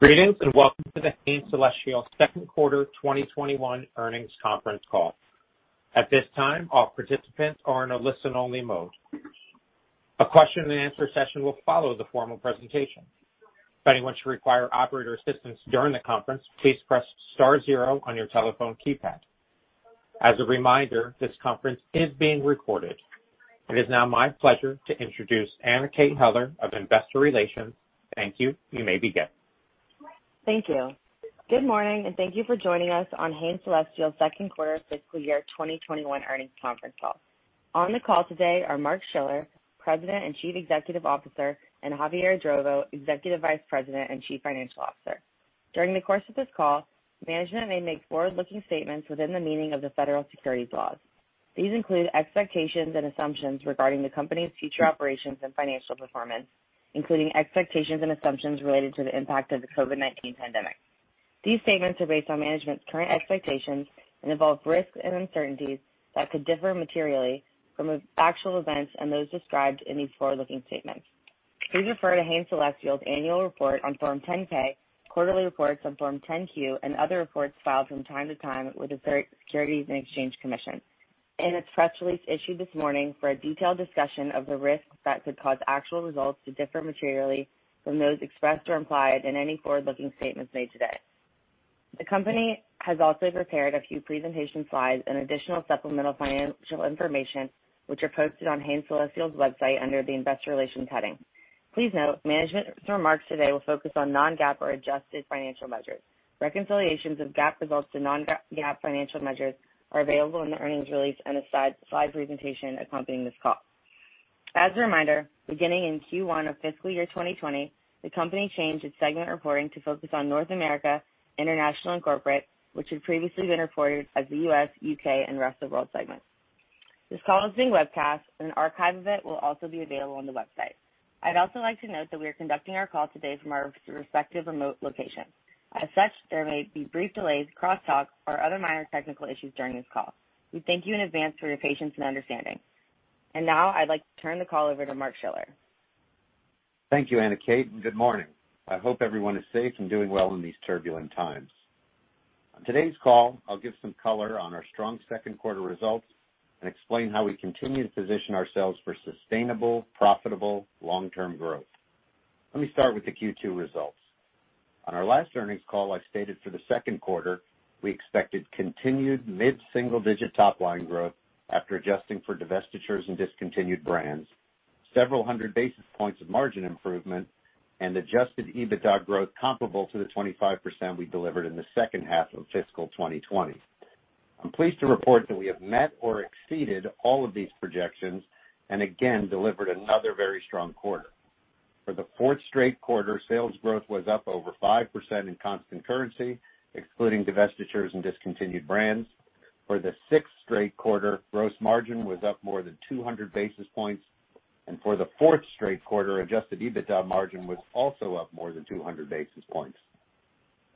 Greetings, and welcome to the Hain Celestial second quarter 2021 earnings conference call. At this time, all participants are in a listen-only mode. A question-and-answer session will follow the formal presentation. If anyone should require operator assistance during the conference, please press star zero on your telephone keypad. As a reminder, this conference is being recorded. It is now my pleasure to introduce Anna Kate Heller of Investor Relations. Thank you. You may begin. Thank you. Good morning, and thank you for joining us on Hain Celestial's second quarter fiscal year 2021 earnings conference call. On the call today are Mark Schiller, President and Chief Executive Officer, and Javier Idrovo, Executive Vice President and Chief Financial Officer. During the course of this call, management may make forward-looking statements within the meaning of the federal securities laws. These include expectations and assumptions regarding the company's future operations and financial performance, including expectations and assumptions related to the impact of the COVID-19 pandemic. These statements are based on management's current expectations and involve risks and uncertainties that could differ materially from actual events and those described in these forward-looking statements. Please refer to Hain Celestial's annual report on Form 10-K, quarterly reports on Form 10-Q, and other reports filed from time to time with the Securities and Exchange Commission and its press release issued this morning for a detailed discussion of the risks that could cause actual results to differ materially from those expressed or implied in any forward-looking statements made today. The company has also prepared a few presentation slides and additional supplemental financial information, which are posted on Hain Celestial's website under the investor relations heading. Please note management's remarks today will focus on non-GAAP or adjusted financial measures. Reconciliations of GAAP results to non-GAAP financial measures are available in the earnings release and the slide presentation accompanying this call. As a reminder, beginning in Q1 of fiscal year 2020, the company changed its segment reporting to focus on North America, International, and Corporate, which had previously been reported as the U.S., U.K., and rest of world segments. This call is being webcast, and an archive of it will also be available on the website. I'd also like to note that we are conducting our call today from our respective remote locations. As such, there may be brief delays, crosstalk, or other minor technical issues during this call. We thank you in advance for your patience and understanding. Now I'd like to turn the call over to Mark Schiller. Thank you, Anna Kate, and good morning. I hope everyone is safe and doing well in these turbulent times. On today's call, I'll give some color on our strong second quarter results and explain how we continue to position ourselves for sustainable, profitable, long-term growth. Let me start with the Q2 results. On our last earnings call, I stated for the second quarter we expected continued mid-single-digit top-line growth after adjusting for divestitures and discontinued brands, several hundred basis points of margin improvement, and adjusted EBITDA growth comparable to the 25% we delivered in the second half of fiscal 2020. I'm pleased to report that we have met or exceeded all of these projections and again delivered another very strong quarter. For the fourth straight quarter, sales growth was up over 5% in constant currency, excluding divestitures and discontinued brands. For the sixth straight quarter, gross margin was up more than 200 basis points. For the fourth straight quarter, adjusted EBITDA margin was also up more than 200 basis points.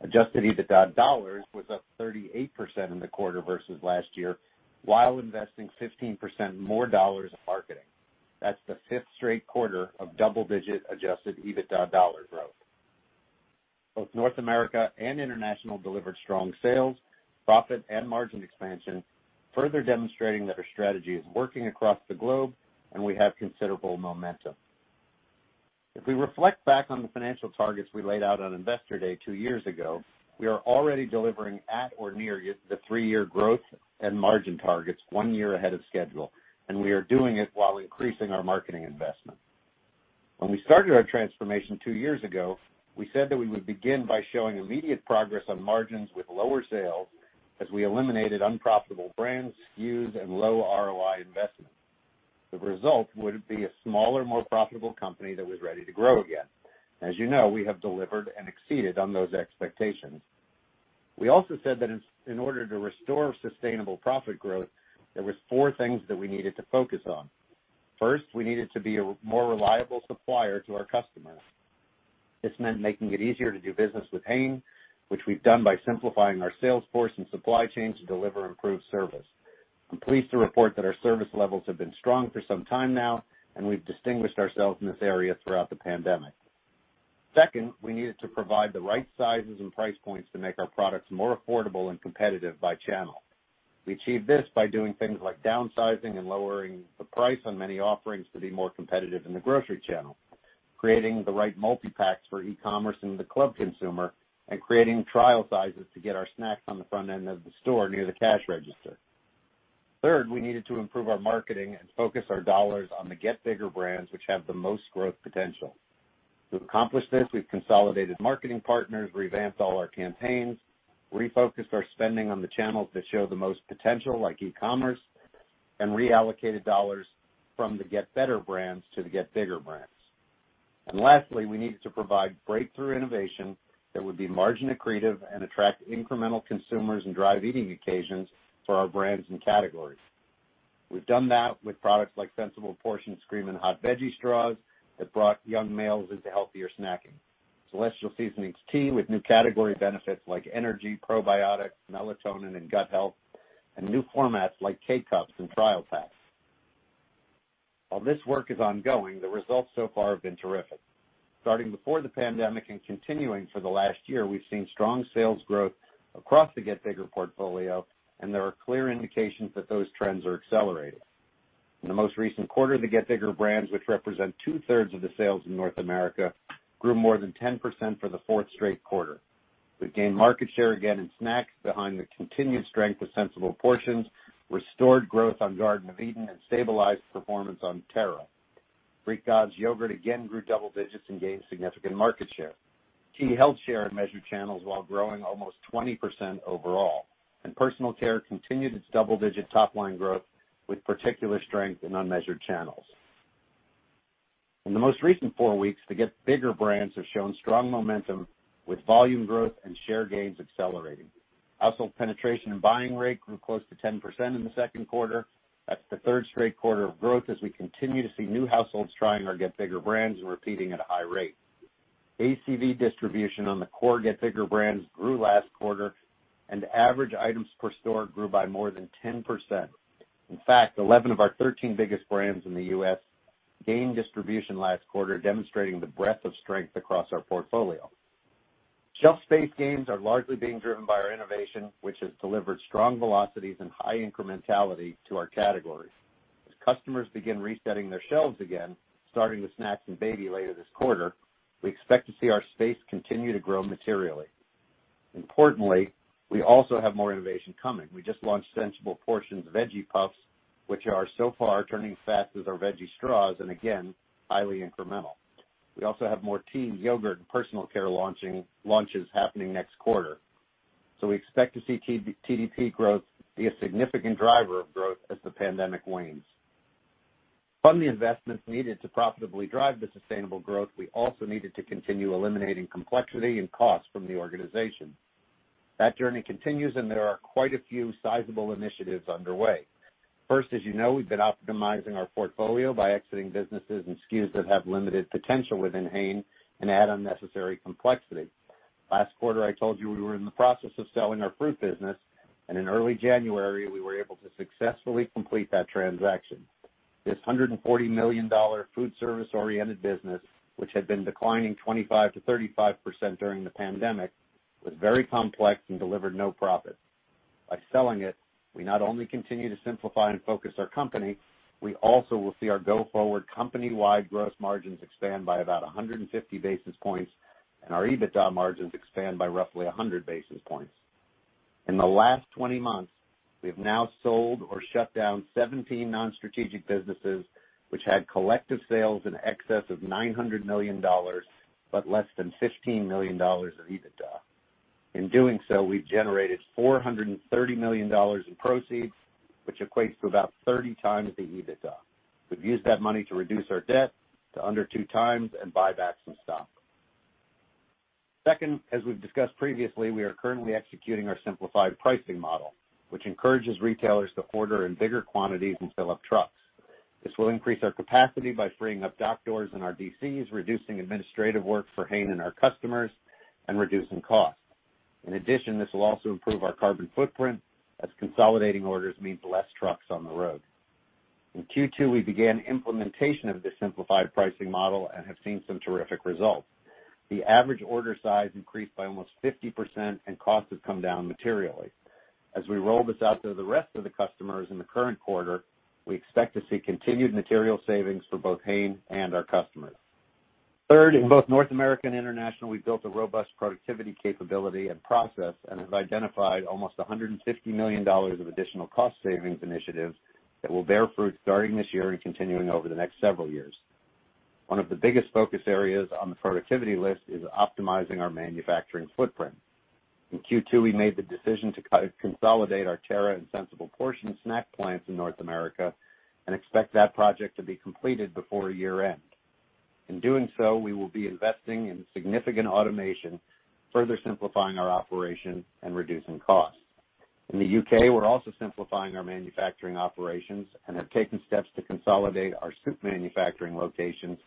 Adjusted EBITDA dollars was up 38% in the quarter versus last year while investing 15% more dollars in marketing. That's the fifth straight quarter of double-digit adjusted EBITDA dollar growth. Both North America and International delivered strong sales, profit, and margin expansion, further demonstrating that our strategy is working across the globe and we have considerable momentum. If we reflect back on the financial targets we laid out on Investor Day two years ago, we are already delivering at or near the three-year growth and margin targets one year ahead of schedule, we are doing it while increasing our marketing investment. When we started our transformation two years ago, we said that we would begin by showing immediate progress on margins with lower sales as we eliminated unprofitable brands, SKUs, and low ROI investments. The result would be a smaller, more profitable company that was ready to grow again. As you know, we have delivered and exceeded on those expectations. We also said that in order to restore sustainable profit growth, there was four things that we needed to focus on. First, we needed to be a more reliable supplier to our customers. This meant making it easier to do business with Hain, which we've done by simplifying our sales force and supply chain to deliver improved service. I'm pleased to report that our service levels have been strong for some time now, and we've distinguished ourselves in this area throughout the pandemic. Second, we needed to provide the right sizes and price points to make our products more affordable and competitive by channel. We achieved this by doing things like downsizing and lowering the price on many offerings to be more competitive in the grocery channel, creating the right multi-packs for e-commerce and the club consumer, and creating trial sizes to get our snacks on the front end of the store near the cash register. Third, we needed to improve our marketing and focus our dollars on the Get Bigger brands, which have the most growth potential. To accomplish this, we've consolidated marketing partners, revamped all our campaigns, refocused our spending on the channels that show the most potential, like e-commerce, and reallocated dollars from the Get Better brands to the Get Bigger brands. Lastly, we needed to provide breakthrough innovation that would be margin accretive and attract incremental consumers and drive eating occasions for our brands and categories. We've done that with products like Sensible Portions Screamin' Hot Veggie Straws that brought young males into healthier snacking. Celestial Seasonings tea with new category benefits like energy, probiotics, melatonin, and gut health, and new formats like K-Cups and trial packs. While this work is ongoing, the results so far have been terrific. Starting before the pandemic and continuing for the last year, we've seen strong sales growth across the Get Bigger portfolio, and there are clear indications that those trends are accelerating. In the most recent quarter, the Get Bigger brands, which represent 2/3 of the sales in North America, grew more than 10% for the fourth straight quarter. We gained market share again in snacks behind the continued strength of Sensible Portions, restored growth on Garden of Eatin', and stabilized performance on Terra. Greek Gods yogurt again grew double digits and gained significant market share. Tea held share in measured channels while growing almost 20% overall, and personal care continued its double-digit top-line growth with particular strength in unmeasured channels. In the most recent four weeks, the Get Bigger brands have shown strong momentum with volume growth and share gains accelerating. Household penetration and buying rate grew close to 10% in the second quarter. That's the third straight quarter of growth as we continue to see new households trying our Get Bigger brands and repeating at a high rate. ACV distribution on the core Get Bigger brands grew last quarter, and average items per store grew by more than 10%. In fact, 11 of our 13 biggest brands in the U.S. gained distribution last quarter, demonstrating the breadth of strength across our portfolio. Shelf space gains are largely being driven by our innovation, which has delivered strong velocities and high incrementality to our categories. As customers begin resetting their shelves again, starting with snacks and baby later this quarter, we expect to see our space continue to grow materially. Importantly, we also have more innovation coming. We just launched Sensible Portions Veggie Puffs, which are so far turning fast as our Veggie Straws, and again, highly incremental. We also have more tea, yogurt, and personal care launches happening next quarter. We expect to see TDP growth be a significant driver of growth as the pandemic wanes. To fund the investments needed to profitably drive the sustainable growth, we also needed to continue eliminating complexity and cost from the organization. That journey continues. There are quite a few sizable initiatives underway. First, as you know, we've been optimizing our portfolio by exiting businesses and SKUs that have limited potential within Hain and add unnecessary complexity. Last quarter, I told you we were in the process of selling our fruit business, and in early January, we were able to successfully complete that transaction. This $140 million food service-oriented business, which had been declining 25%-35% during the pandemic, was very complex and delivered no profit. By selling it, we not only continue to simplify and focus our company, we also will see our go-forward company-wide gross margins expand by about 150 basis points and our EBITDA margins expand by roughly 100 basis points. In the last 20 months, we have now sold or shut down 17 non-strategic businesses which had collective sales in excess of $900 million, but less than $15 million of EBITDA. In doing so, we've generated $430 million in proceeds, which equates to about 30x the EBITDA. We've used that money to reduce our debt to under 2x and buy back some stock. Second, as we've discussed previously, we are currently executing our simplified pricing model, which encourages retailers to order in bigger quantities and fill up trucks. This will increase our capacity by freeing up dock doors in our DCs, reducing administrative work for Hain and our customers, and reducing costs. In addition, this will also improve our carbon footprint as consolidating orders means less trucks on the road. In Q2, we began implementation of this simplified pricing model and have seen some terrific results. The average order size increased by almost 50%. Cost has come down materially. As we roll this out to the rest of the customers in the current quarter, we expect to see continued material savings for both Hain and our customers. Third, in both North America and International, we've built a robust productivity capability and process and have identified almost $150 million of additional cost savings initiatives that will bear fruit starting this year and continuing over the next several years. One of the biggest focus areas on the productivity list is optimizing our manufacturing footprint. In Q2, we made the decision to consolidate our Terra and Sensible Portions snack plants in North America and expect that project to be completed before year-end. In doing so, we will be investing in significant automation, further simplifying our operation and reducing costs. In the U.K., we're also simplifying our manufacturing operations and have taken steps to consolidate our soup manufacturing locations,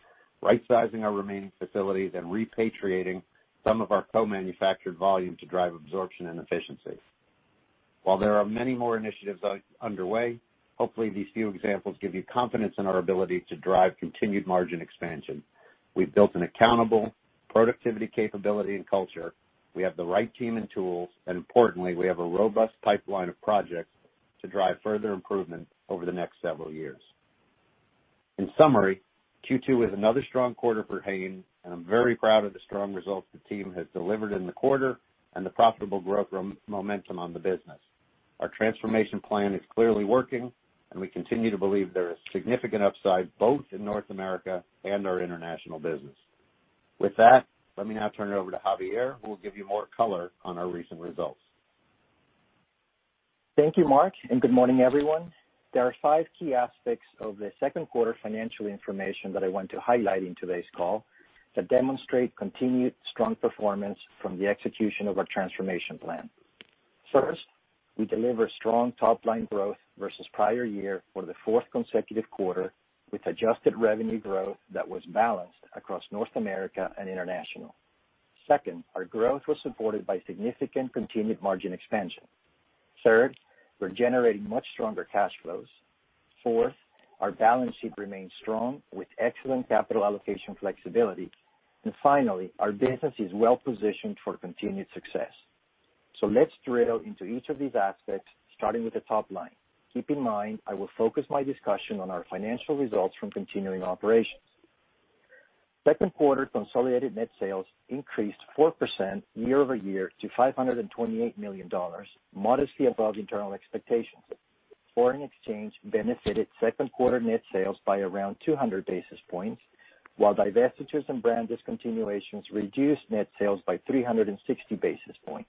rightsizing our remaining facilities, and repatriating some of our co-manufactured volume to drive absorption and efficiency. While there are many more initiatives underway, hopefully, these few examples give you confidence in our ability to drive continued margin expansion. We've built an accountable productivity capability and culture. We have the right team and tools, and importantly, we have a robust pipeline of projects to drive further improvement over the next several years. In summary, Q2 was another strong quarter for Hain, and I'm very proud of the strong results the team has delivered in the quarter and the profitable growth momentum on the business. Our transformation plan is clearly working, and we continue to believe there is significant upside both in North America and our international business. With that, let me now turn it over to Javier, who will give you more color on our recent results. Thank you, Mark, and good morning, everyone. There are five key aspects of the second quarter financial information that I want to highlight in today's call that demonstrate continued strong performance from the execution of our transformation plan. First, we delivered strong top-line growth versus prior year for the fourth consecutive quarter with adjusted revenue growth that was balanced across North America and International. Second, our growth was supported by significant continued margin expansion. Third, we're generating much stronger cash flows. Fourth, our balance sheet remains strong with excellent capital allocation flexibility. Finally, our business is well-positioned for continued success. Let's drill into each of these aspects, starting with the top line. Keep in mind, I will focus my discussion on our financial results from continuing operations. Second quarter consolidated net sales increased 4% year-over-year to $528 million, modestly above internal expectations. Foreign exchange benefited second quarter net sales by around 200 basis points, while divestitures and brand discontinuations reduced net sales by 360 basis points.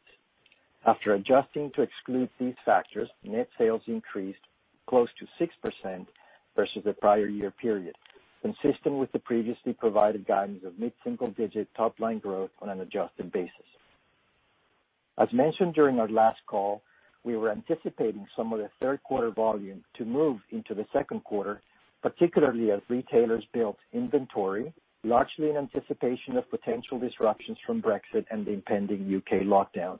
After adjusting to exclude these factors, net sales increased close to 6% versus the prior year period, consistent with the previously provided guidance of mid-single-digit top-line growth on an adjusted basis. As mentioned during our last call, we were anticipating some of the third quarter volume to move into the second quarter, particularly as retailers built inventory, largely in anticipation of potential disruptions from Brexit and the impending U.K. lockdown.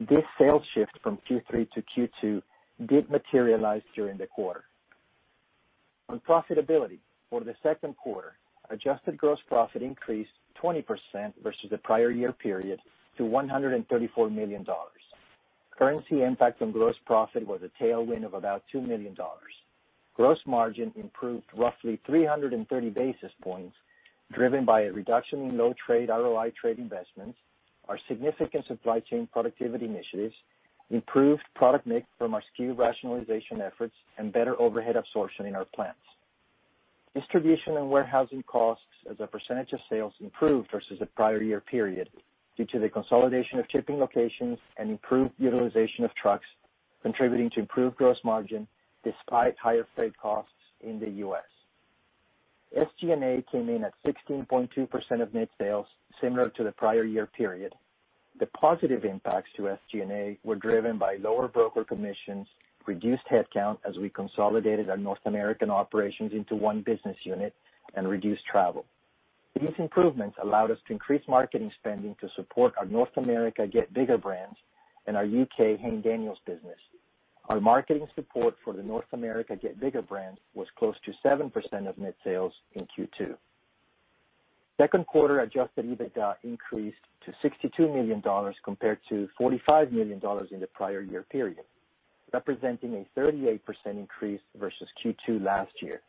This sales shift from Q3-Q2 did materialize during the quarter. On profitability for the second quarter, adjusted gross profit increased 20% versus the prior year period to $134 million. Currency impact on gross profit was a tailwind of about $2 million. Gross margin improved roughly 330 basis points, driven by a reduction in low trade ROI trade investments, our significant supply chain productivity initiatives, improved product mix from our SKU rationalization efforts, and better overhead absorption in our plants. Distribution and warehousing costs as a percentage of sales improved versus the prior year period due to the consolidation of shipping locations and improved utilization of trucks, contributing to improved gross margin despite higher freight costs in the U.S. SG&A came in at 16.2% of net sales, similar to the prior year period. The positive impacts to SG&A were driven by lower broker commissions, reduced headcount as we consolidated our North American operations into one business unit, and reduced travel. These improvements allowed us to increase marketing spending to support our North America Get Bigger brands and our U.K. Hain Daniels business. Our marketing support for the North America Get Bigger brands was close to 7% of net sales in Q2. Second quarter adjusted EBITDA increased to $62 million, compared to $45 million in the prior year period, representing a 38% increase versus Q2 last year.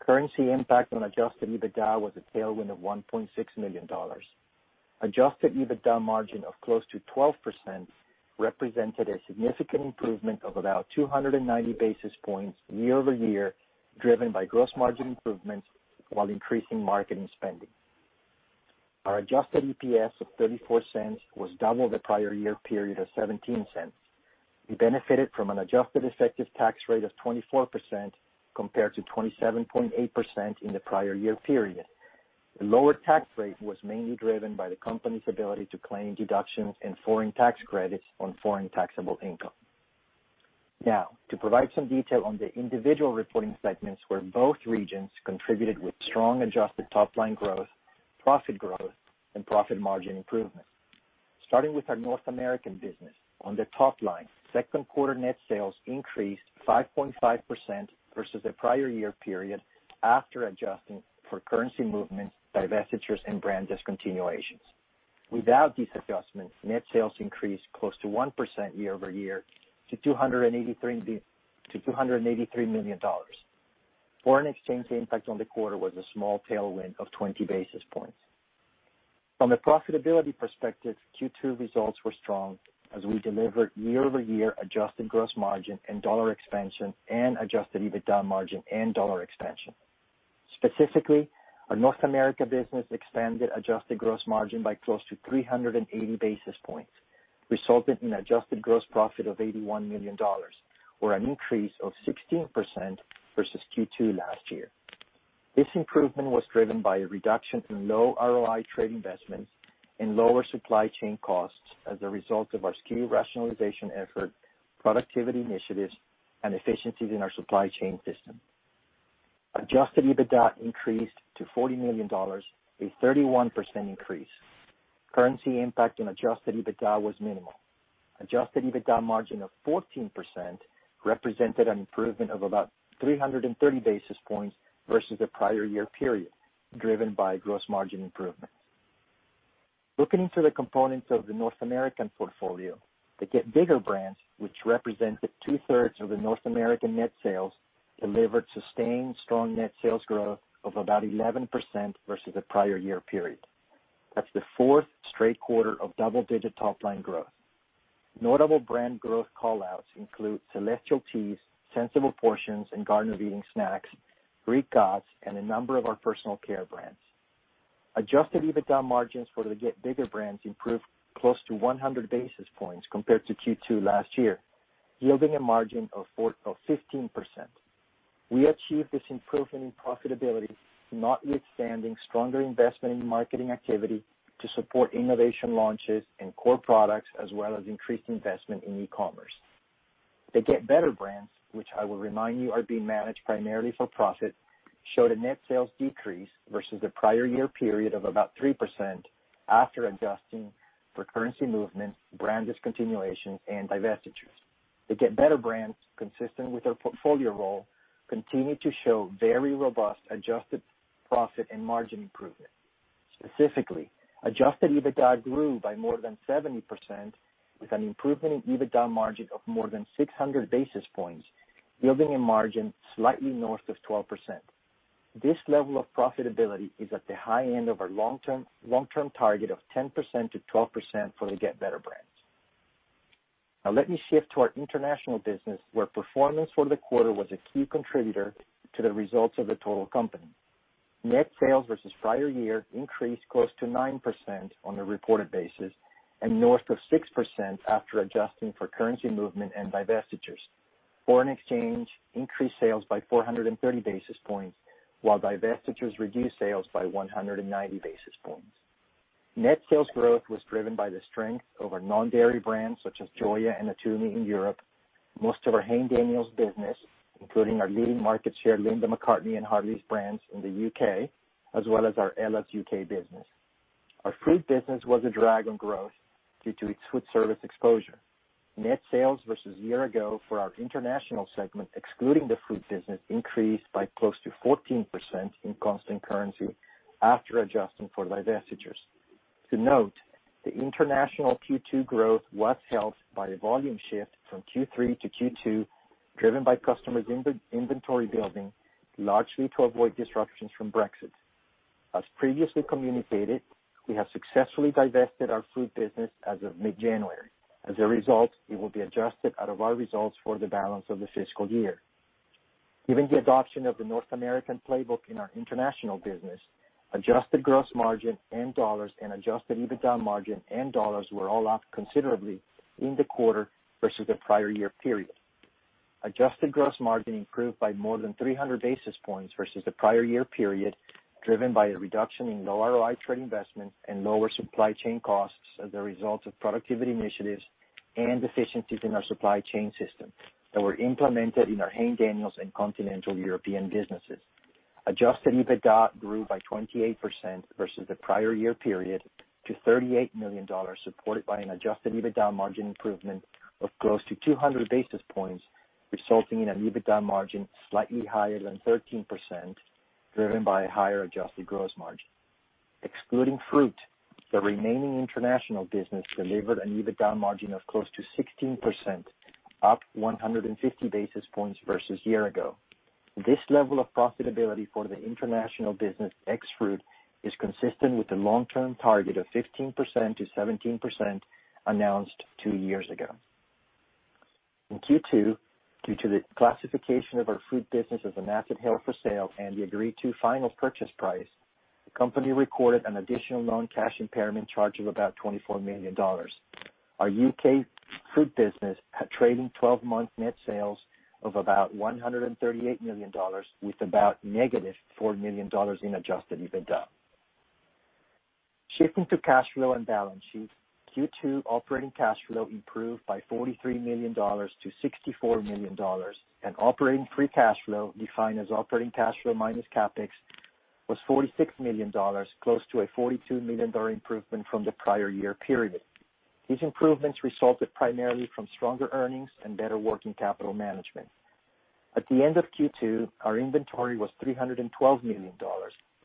Currency impact on Adjusted EBITDA was a tailwind of $1.6 million. Adjusted EBITDA margin of close to 12% represented a significant improvement of about 290 basis points year-over-year, driven by gross margin improvements while increasing marketing spending. Our adjusted EPS of $0.34 was double the prior year period of $0.17. We benefited from an adjusted effective tax rate of 24% compared to 27.8% in the prior year period. The lower tax rate was mainly driven by the company's ability to claim deductions and foreign tax credits on foreign taxable income. Now, to provide some detail on the individual reporting segments where both regions contributed with strong adjusted top-line growth, profit growth, and profit margin improvement. Starting with our North American business. On the top line, second quarter net sales increased 5.5% versus the prior year period after adjusting for currency movements, divestitures, and brand discontinuations. Without these adjustments, net sales increased close to 1% year-over-year to $283 million. Foreign exchange impact on the quarter was a small tailwind of 20 basis points. From a profitability perspective, Q2 results were strong as we delivered year-over-year adjusted gross margin and dollar expansion and adjusted EBITDA margin and dollar expansion. Specifically, our North America business expanded adjusted gross margin by close to 380 basis points, resulting in adjusted gross profit of $81 million, or an increase of 16% versus Q2 last year. This improvement was driven by a reduction in low ROI trade investments and lower supply chain costs as a result of our SKU rationalization effort, productivity initiatives, and efficiencies in our supply chain system. Adjusted EBITDA increased to $40 million, a 31% increase. Currency impact on adjusted EBITDA was minimal. Adjusted EBITDA margin of 14% represented an improvement of about 330 basis points versus the prior year period, driven by gross margin improvements. Looking through the components of the North American portfolio, the Get Bigger brands, which represented 2/3 of the North American net sales, delivered sustained strong net sales growth of about 11% versus the prior year period. That's the fourth straight quarter of double-digit top-line growth. Notable brand growth callouts include Celestial Seasonings, Sensible Portions, and Garden of Eatin' snacks, The Greek Gods, and a number of our personal care brands. Adjusted EBITDA margins for the Get Bigger brands improved close to 100 basis points compared to Q2 last year, yielding a margin of 15%. We achieved this improvement in profitability notwithstanding stronger investment in marketing activity to support innovation launches and core products, as well as increased investment in e-commerce. The Get Better brands, which I will remind you are being managed primarily for profit showed a net sales decrease versus the prior year period of about 3% after adjusting for currency movements, brand discontinuation, and divestitures. The Get Better brands, consistent with our portfolio role, continued to show very robust adjusted profit and margin improvement. Specifically, adjusted EBITDA grew by more than 70%, with an improvement in EBITDA margin of more than 600 basis points, yielding a margin slightly north of 12%. This level of profitability is at the high end of our long-term target of 10%-12% for the Get Better Brands. Let me shift to our international business, where performance for the quarter was a key contributor to the results of the total company. Net sales versus prior year increased close to 9% on a reported basis and north of 6% after adjusting for currency movement and divestitures. Foreign exchange increased sales by 430 basis points, while divestitures reduced sales by 190 basis points. Net sales growth was driven by the strength of our non-dairy brands such as Joya and Natumi in Europe, most of our Hain Daniels business, including our leading market share, Linda McCartney and Hartley's brands in the U.K., as well as our Ella's UK business. Our fruit business was a drag on growth due to its food service exposure. Net sales versus year ago for our international segment, excluding the fruit business, increased by close to 14% in constant currency after adjusting for divestitures. To note, the international Q2 growth was helped by a volume shift from Q3-Q2, driven by customers' inventory building, largely to avoid disruptions from Brexit. As previously communicated, we have successfully divested our fruit business as of mid-January. As a result, it will be adjusted out of our results for the balance of the fiscal year. Given the adoption of the North American playbook in our international business, adjusted gross margin and dollars and adjusted EBITDA margin and dollars were all up considerably in the quarter versus the prior year period. Adjusted gross margin improved by more than 300 basis points versus the prior year period, driven by a reduction in low ROI trade investments and lower supply chain costs as a result of productivity initiatives and efficiencies in our supply chain system that were implemented in our Hain Daniels and continental European businesses. Adjusted EBITDA grew by 28% versus the prior year period to $38 million, supported by an adjusted EBITDA margin improvement of close to 200 basis points, resulting in an EBITDA margin slightly higher than 13%, driven by a higher adjusted gross margin. Excluding fruit, the remaining international business delivered an EBITDA margin of close to 16%, up 150 basis points versus year ago. This level of profitability for the international business ex fruit is consistent with the long-term target of 15%-17% announced two years ago. In Q2, due to the classification of our food business as an asset held for sale and the agreed to final purchase price, the company recorded an additional non-cash impairment charge of about $24 million. Our U.K. food business had trading 12-month net sales of about $138 million with about negative $4 million in adjusted EBITDA. Shifting to cash flow and balance sheet, Q2 operating cash flow improved by $43 million-$64 million, and operating free cash flow, defined as operating cash flow minus CapEx, was $46 million, close to a $42 million improvement from the prior year period. These improvements resulted primarily from stronger earnings and better working capital management. At the end of Q2, our inventory was $312 million,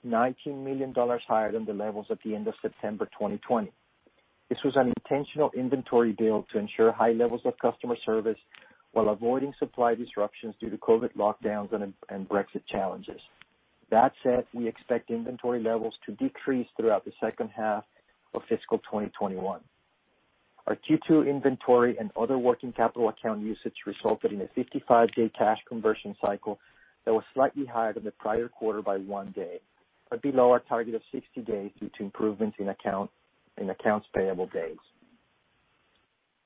$19 million higher than the levels at the end of September 2020. This was an intentional inventory build to ensure high levels of customer service while avoiding supply disruptions due to COVID-19 lockdowns and Brexit challenges. That said, we expect inventory levels to decrease throughout the second half of fiscal 2021. Our Q2 inventory and other working capital account usage resulted in a 55-day cash conversion cycle that was slightly higher than the prior quarter by one day, but below our target of 60 days due to improvements in accounts payable days.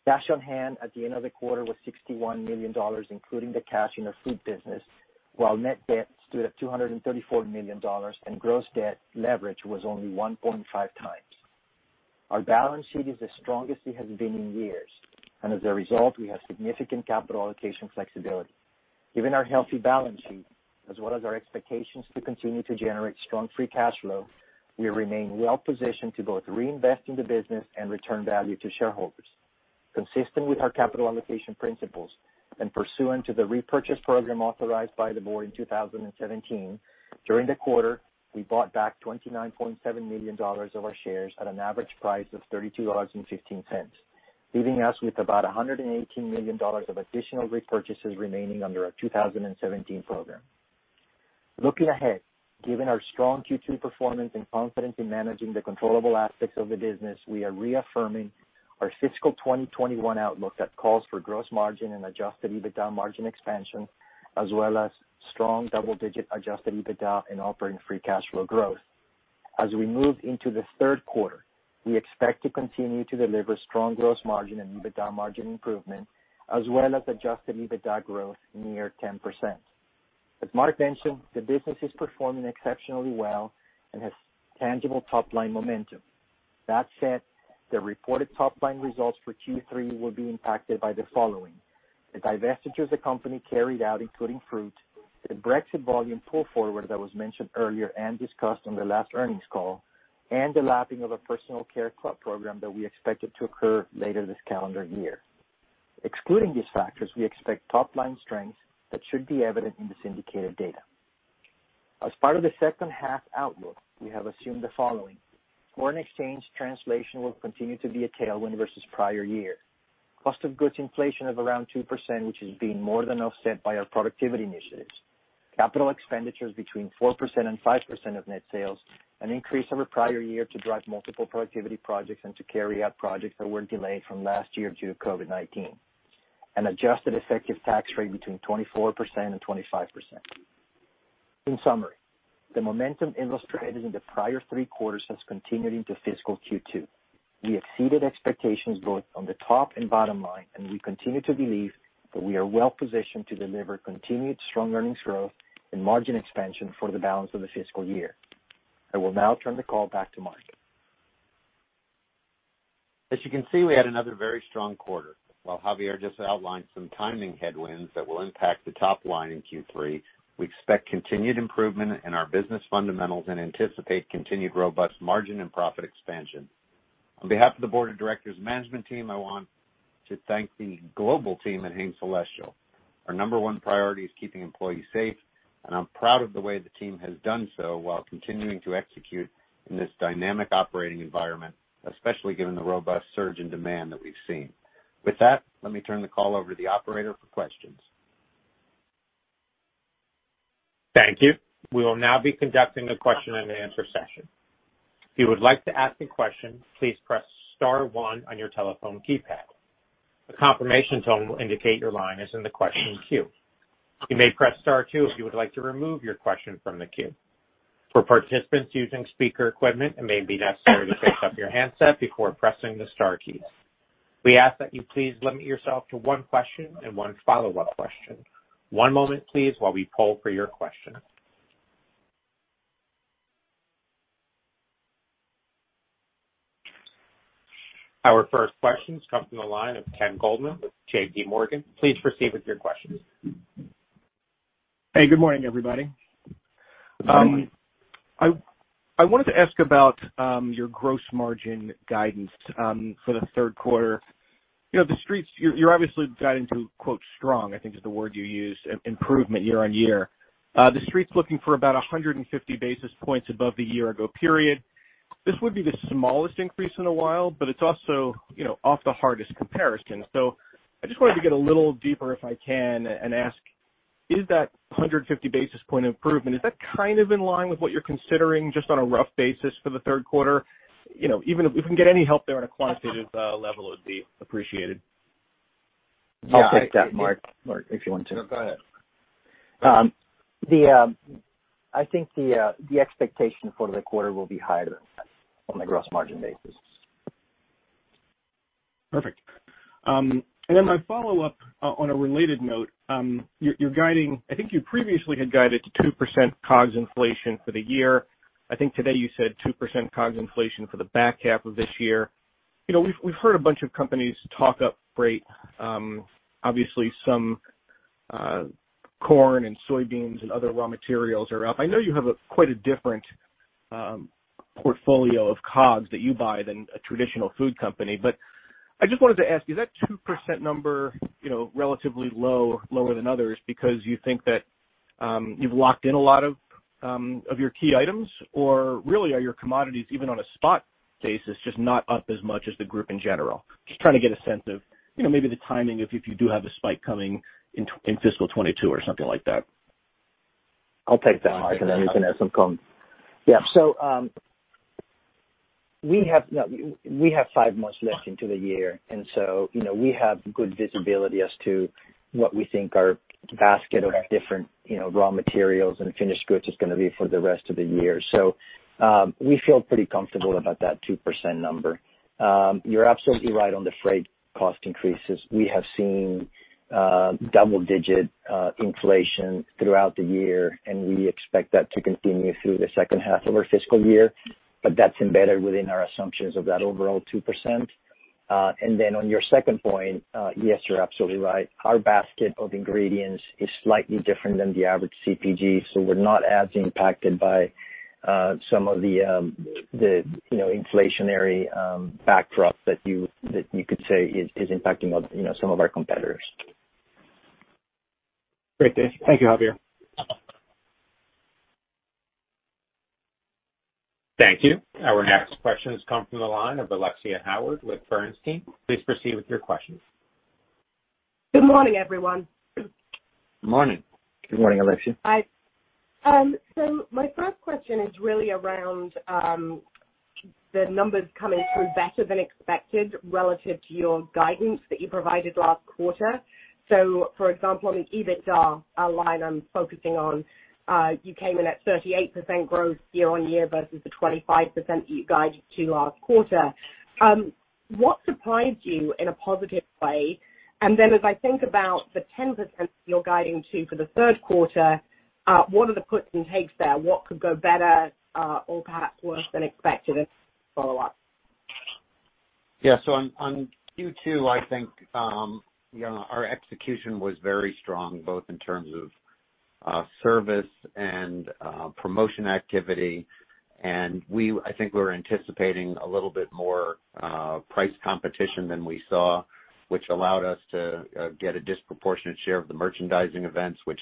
Cash on hand at the end of the quarter was $61 million, including the cash in the food business, while net debt stood at $234 million, and gross debt leverage was only 1.5x. Our balance sheet is the strongest it has been in years, and as a result, we have significant capital allocation flexibility. Given our healthy balance sheet, as well as our expectations to continue to generate strong free cash flow, we remain well positioned to both reinvest in the business and return value to shareholders. Consistent with our capital allocation principles and pursuant to the repurchase program authorized by the board in 2017, during the quarter, we bought back $29.7 million of our shares at an average price of $32.15, leaving us with about $118 million of additional repurchases remaining under our 2017 program. Looking ahead, given our strong Q2 performance and confidence in managing the controllable aspects of the business, we are reaffirming our fiscal 2021 outlook that calls for gross margin and adjusted EBITDA margin expansion, as well as strong double-digit adjusted EBITDA and operating free cash flow growth. As we move into the third quarter, we expect to continue to deliver strong gross margin and EBITDA margin improvement, as well as adjusted EBITDA growth near 10%. As Mark mentioned, the business is performing exceptionally well and has tangible top-line momentum. That said, the reported top-line results for Q3 will be impacted by the following. The divestitures the company carried out, including fruit, the Brexit volume pull forward that was mentioned earlier and discussed on the last earnings call, and the lapping of a personal care club program that we expected to occur later this calendar year. Excluding these factors, we expect top-line strength that should be evident in the syndicated data. As part of the second half outlook, we have assumed the following. Foreign exchange translation will continue to be a tailwind versus prior year. Cost of goods inflation of around 2%, which is being more than offset by our productivity initiatives. Capital expenditures between 4%-5% of net sales, an increase over prior year to drive multiple productivity projects and to carry out projects that were delayed from last year due to COVID-19. An adjusted effective tax rate between 24%-25%. In summary, the momentum illustrated in the prior three quarters has continued into fiscal Q2. We exceeded expectations both on the top and bottom line, and we continue to believe that we are well-positioned to deliver continued strong earnings growth and margin expansion for the balance of the fiscal year. I will now turn the call back to Mark. As you can see, we had another very strong quarter. While Javier just outlined some timing headwinds that will impact the top line in Q3, we expect continued improvement in our business fundamentals and anticipate continued robust margin and profit expansion. On behalf of the board of directors and management team, I want to thank the global team at Hain Celestial. Our number one priority is keeping employees safe, and I'm proud of the way the team has done so while continuing to execute in this dynamic operating environment, especially given the robust surge in demand that we've seen. With that, let me turn the call over to the operator for questions. Thank you. We will now be conducting a question-and-answer session. If you would like to ask a question, please press star one on your telephone keypad. A confirmation tone will indicate your line is in the question queue. You may press star two if you would like to remove your question from the queue. For participants using speaker equipment, it may be necessary to pick up your handset before pressing the star keys. We ask that you please limit yourself to one question and one follow-up question. One moment, please, while we poll for your question. Our first questions come from the line of Ken Goldman with JPMorgan. Please proceed with your questions. Hey, good morning, everybody. Good morning. I wanted to ask about your gross margin guidance for the third quarter. You're obviously guiding to quote "strong," I think is the word you used, improvement year-over-year. The Street's looking for about 150 basis points above the year-ago period. This would be the smallest increase in a while, but it's also off the hardest comparison. I just wanted to get a little deeper, if I can, and ask, is that 150 basis point improvement, is that kind of in line with what you're considering, just on a rough basis for the third quarter? If we can get any help there on a quantitative level, it would be appreciated. Yeah. I'll take that, Mark, if you want to. No, go ahead. I think the expectation for the quarter will be higher than that on a gross margin basis. Perfect. My follow-up on a related note. I think you previously had guided to 2% COGS inflation for the year. I think today you said 2% COGS inflation for the back half of this year. We've heard a bunch of companies talk up freight. Obviously, some corn and soybeans and other raw materials are up. I know you have quite a different portfolio of COGS that you buy than a traditional food company. I just wanted to ask, is that 2% number relatively low, lower than others because you think that you've locked in a lot of your key items? Really are your commodities, even on a spot basis, just not up as much as the group in general? Just trying to get a sense of maybe the timing if you do have a spike coming in fiscal 2022 or something like that. I'll take that, Mark, you can add some. We have five months left into the year, we have good visibility as to what we think our basket of different raw materials and finished goods is going to be for the rest of the year. We feel pretty comfortable about that 2% number. You're absolutely right on the freight cost increases. We have seen double-digit inflation throughout the year, we expect that to continue through the second half of our fiscal year, but that's embedded within our assumptions of that overall 2%. On your second point, yes, you're absolutely right. Our basket of ingredients is slightly different than the average CPG, we're not as impacted by some of the inflationary backdrop that you could say is impacting some of our competitors. Great. Thank you, Javier. Thank you. Our next questions come from the line of Alexia Howard with Bernstein. Please proceed with your questions. Good morning, everyone. Morning. Good morning, Alexia. Hi. My first question is really around the numbers coming through better than expected relative to your guidance that you provided last quarter. For example, on the EBITDA line I'm focusing on, you came in at 38% growth year-on-year versus the 25% that you guided to last quarter. What surprised you in a positive way? As I think about the 10% you're guiding to for the third quarter, what are the puts and takes there? What could go better or perhaps worse than expected as follow-up? Yeah. On Q2, I think our execution was very strong, both in terms of service and promotion activity. I think we were anticipating a little bit more price competition than we saw, which allowed us to get a disproportionate share of the merchandising events, which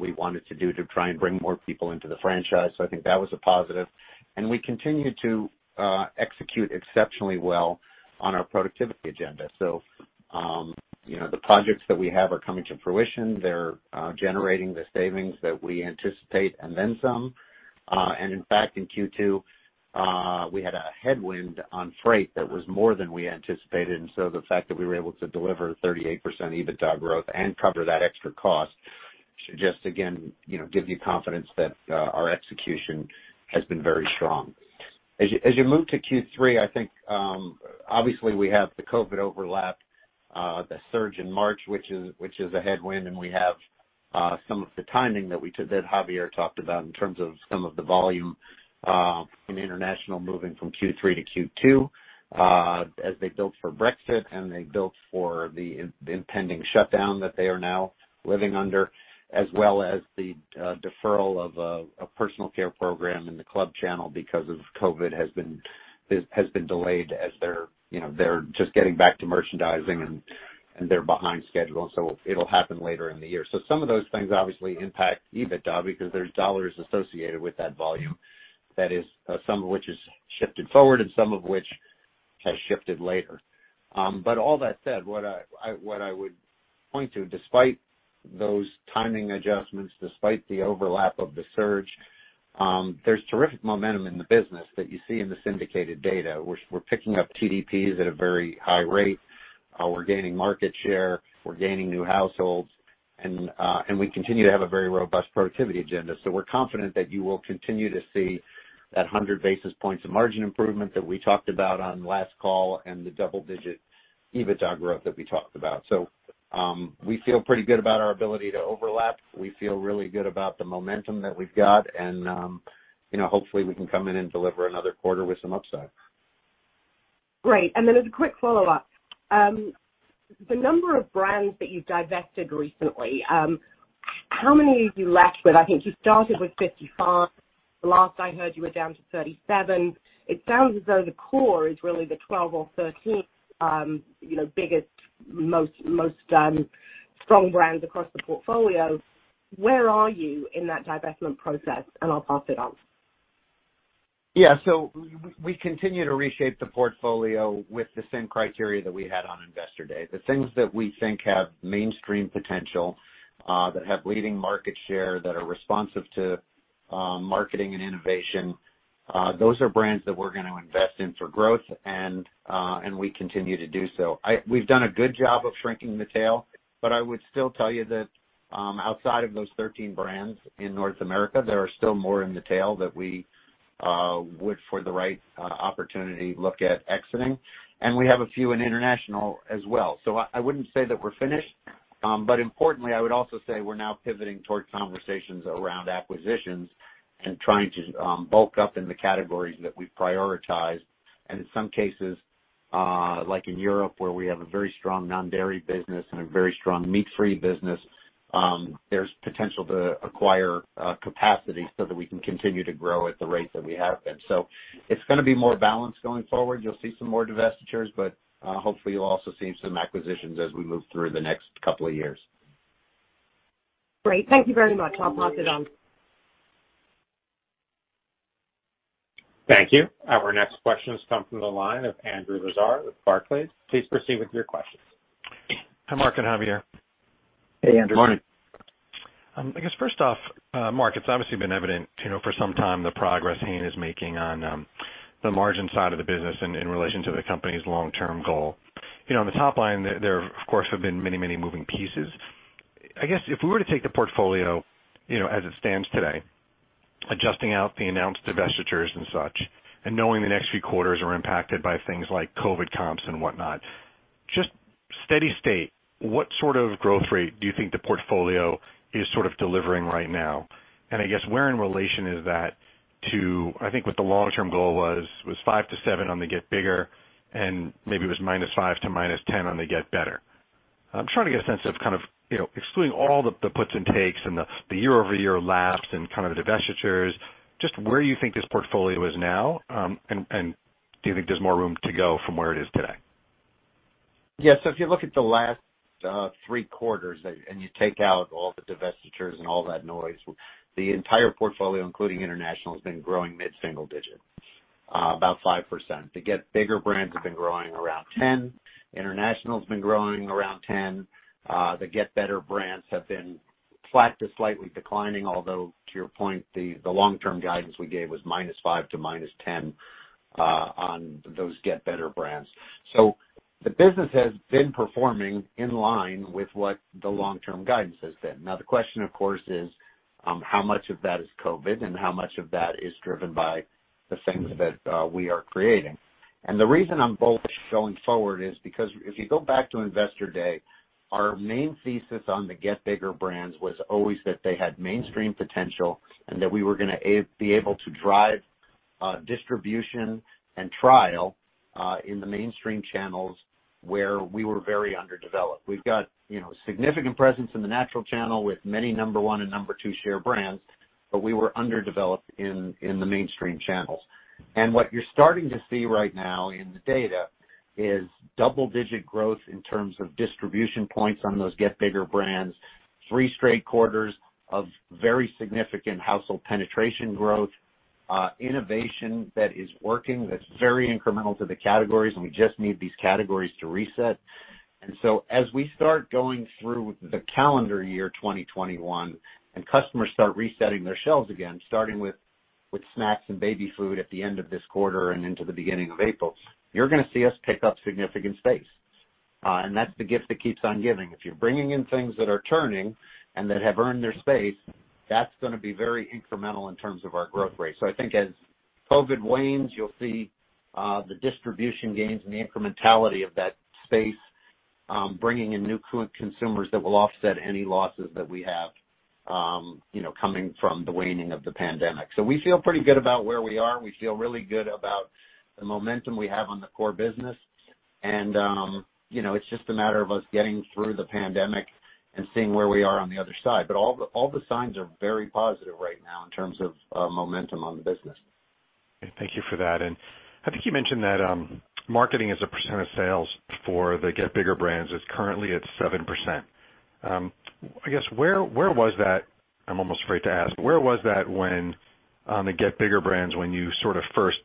we wanted to do to try and bring more people into the franchise. I think that was a positive. We continued to execute exceptionally well on our productivity agenda. The projects that we have are coming to fruition. They're generating the savings that we anticipate and then some. In fact, in Q2, we had a headwind on freight that was more than we anticipated. The fact that we were able to deliver 38% EBITDA growth and cover that extra cost should just, again, give you confidence that our execution has been very strong. As you move to Q3, I think, obviously, we have the COVID overlap, the surge in March, which is a headwind, and we have some of the timing that Javier talked about in terms of some of the volume in international moving from Q3-Q2, as they built for Brexit and they built for the impending shutdown that they are now living under. As well as the deferral of a personal care program in the club channel because of COVID has been delayed as they're just getting back to merchandising, and they're behind schedule, and so it'll happen later in the year. Some of those things obviously impact EBITDA because there's dollars associated with that volume, some of which is shifted forward and some of which has shifted later. All that said, what I would point to, despite those timing adjustments, despite the overlap of the surge, there's terrific momentum in the business that you see in the syndicated data. We're picking up TDPs at a very high rate. We're gaining market share. We're gaining new households. We continue to have a very robust productivity agenda. We're confident that you will continue to see that 100 basis points of margin improvement that we talked about on last call and the double-digit EBITDA growth that we talked about. We feel pretty good about our ability to overlap. We feel really good about the momentum that we've got, and hopefully we can come in and deliver another quarter with some upside. Great. Then as a quick follow-up, the number of brands that you divested recently, how many have you left with? I think you started with 55. The last I heard, you were down to 37. It sounds as though the core is really the 12 or 13 biggest, most strong brands across the portfolio. Where are you in that divestment process? I'll pass it on. Yeah. We continue to reshape the portfolio with the same criteria that we had on Investor Day. The things that we think have mainstream potential, that have leading market share, that are responsive to marketing and innovation, those are brands that we're going to invest in for growth, and we continue to do so. We've done a good job of shrinking the tail, but I would still tell you that outside of those 13 brands in North America, there are still more in the tail that we would, for the right opportunity, look at exiting. And we have a few in international as well. I wouldn't say that we're finished. Importantly, I would also say we're now pivoting towards conversations around acquisitions and trying to bulk up in the categories that we prioritize. In some cases, like in Europe, where we have a very strong non-dairy business and a very strong meat-free business, there's potential to acquire capacity so that we can continue to grow at the rate that we have been. It's going to be more balanced going forward. You'll see some more divestitures, but hopefully you'll also see some acquisitions as we move through the next couple of years. Great. Thank you very much. I'll pass it on. Thank you. Our next question has come from the line of Andrew Lazar with Barclays. Please proceed with your questions. Hi, Mark and Javier. Hey, Andrew. Morning. First off, Mark, it's obviously been evident for some time the progress Hain is making on the margin side of the business in relation to the company's long-term goal. On the top line, there, of course, have been many moving pieces. If we were to take the portfolio as it stands today, adjusting out the announced divestitures and such, and knowing the next few quarters are impacted by things like COVID comps and whatnot, just steady state, what sort of growth rate do you think the portfolio is sort of delivering right now? Where in relation is that to, I think what the long-term goal was 5%-7% on the Get Bigger, and maybe it was -5% to -10% on the Get Better. I'm trying to get a sense of kind of excluding all the puts and takes and the year-over-year lapse and kind of the divestitures, just where you think this portfolio is now, and do you think there's more room to go from where it is today? Yeah. If you look at the last three quarters and you take out all the divestitures and all that noise, the entire portfolio, including International, has been growing mid-single digit, about 5%. The Get Bigger brands have been growing around 10%. International's been growing around 10%. The Get Better brands have been flat to slightly declining, although to your point, the long-term guidance we gave was -5% to -10% on those Get Better brands. The business has been performing in line with what the long-term guidance has been. Now, the question, of course, is how much of that is COVID and how much of that is driven by the things that we are creating. The reason I'm bullish going forward is because if you go back to Investor Day, our main thesis on the Get Bigger brands was always that they had mainstream potential and that we were going to be able to drive distribution and trial in the mainstream channels where we were very underdeveloped. We've got significant presence in the natural channel with many number one and number two share brands, but we were underdeveloped in the mainstream channels. What you're starting to see right now in the data is double-digit growth in terms of distribution points on those Get Bigger brands, three straight quarters of very significant household penetration growth, innovation that is working, that's very incremental to the categories, and we just need these categories to reset. As we start going through the calendar year 2021, and customers start resetting their shelves again, starting with snacks and baby food at the end of this quarter and into the beginning of April, you're going to see us pick up significant space. That's the gift that keeps on giving. If you're bringing in things that are turning and that have earned their space, that's going to be very incremental in terms of our growth rate. I think as COVID wanes, you'll see the distribution gains and the incrementality of that space bringing in new consumers that will offset any losses that we have coming from the waning of the pandemic. We feel pretty good about where we are. We feel really good about the momentum we have on the core business. It's just a matter of us getting through the pandemic and seeing where we are on the other side. All the signs are very positive right now in terms of momentum on the business. Thank you for that. I think you mentioned that marketing as a percent of sales for the Get Bigger brands is currently at 7%. I guess, where was that, I'm almost afraid to ask, where was that on the Get Bigger brands when you sort of first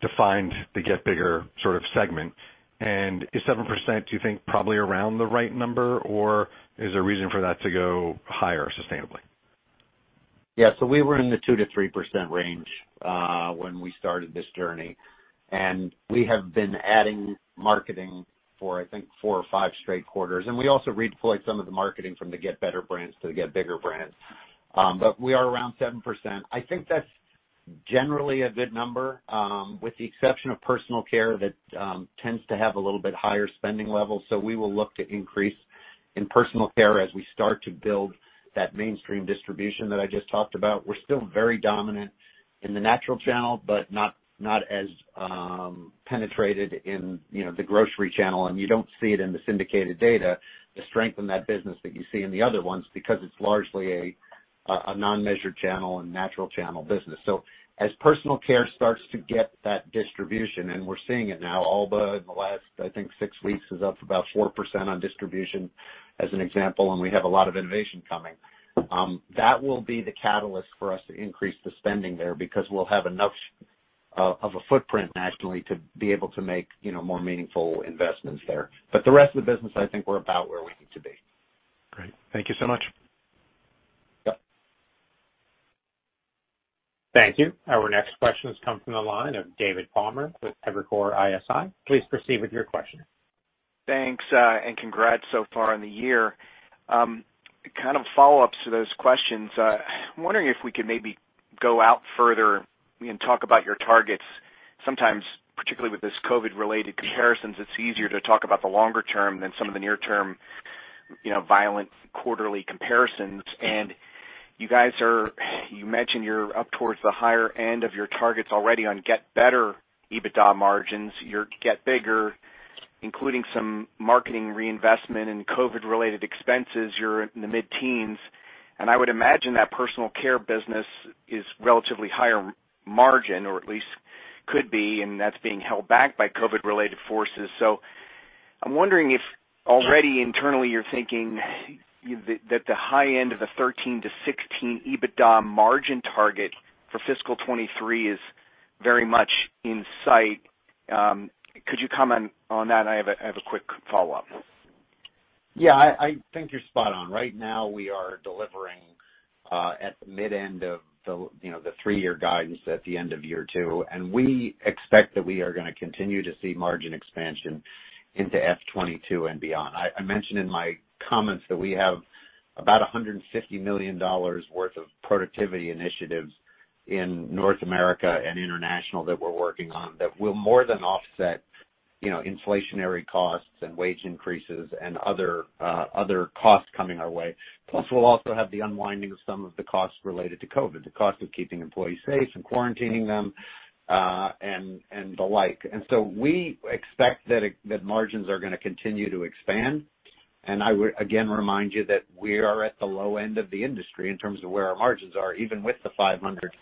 defined the Get Bigger sort of segment, is 7%, do you think probably around the right number, or is there reason for that to go higher sustainably? We were in the 2%-3% range when we started this journey. We have been adding marketing for, I think, four or five straight quarters. We also redeployed some of the marketing from the Get Better brands to the Get Bigger brands. We are around 7%. I think that's generally a good number with the exception of personal care that tends to have a little bit higher spending levels. We will look to increase in personal care as we start to build that mainstream distribution that I just talked about. We're still very dominant in the natural channel, but not as penetrated in the grocery channel, and you don't see it in the syndicated data, the strength in that business that you see in the other ones because it's largely a non-measured channel and natural channel business. As personal care starts to get that distribution, and we're seeing it now, Alba in the last, I think, six weeks is up about 4% on distribution as an example, and we have a lot of innovation coming. That will be the catalyst for us to increase the spending there because we'll have enough of a footprint nationally to be able to make more meaningful investments there. The rest of the business, I think we're about where we need to be. Great. Thank you so much. Yep. Thank you. Our next question has come from the line of David Palmer with Evercore ISI. Please proceed with your question. Thanks. Congrats so far on the year. Kind of follow-ups to those questions. I'm wondering if we could maybe go out further and talk about your targets. Sometimes, particularly with this COVID related comparisons, it's easier to talk about the longer term than some of the near term violent quarterly comparisons. You guys, you mentioned you're up towards the higher end of your targets already on Get Better EBITDA margins. Your Get Bigger, including some marketing reinvestment and COVID-related expenses, you're in the mid-teens. I would imagine that personal care business is relatively higher margin, or at least could be, and that's being held back by COVID-related forces. I'm wondering if already internally you're thinking that the high end of the 13%-16% EBITDA margin target for fiscal 2023 is very much in sight. Could you comment on that? I have a quick follow-up. Yeah, I think you're spot on. Right now, we are delivering at the mid end of the three-year guidance at the end of year two, and we expect that we are gonna continue to see margin expansion into FY 2022 and beyond. I mentioned in my comments that we have about $150 million worth of productivity initiatives in North America and international that we're working on that will more than offset inflationary costs and wage increases and other costs coming our way. Plus, we'll also have the unwinding of some of the costs related to COVID, the cost of keeping employees safe and quarantining them, and the like. We expect that margins are gonna continue to expand. I would again remind you that we are at the low end of the industry in terms of where our margins are, even with the 500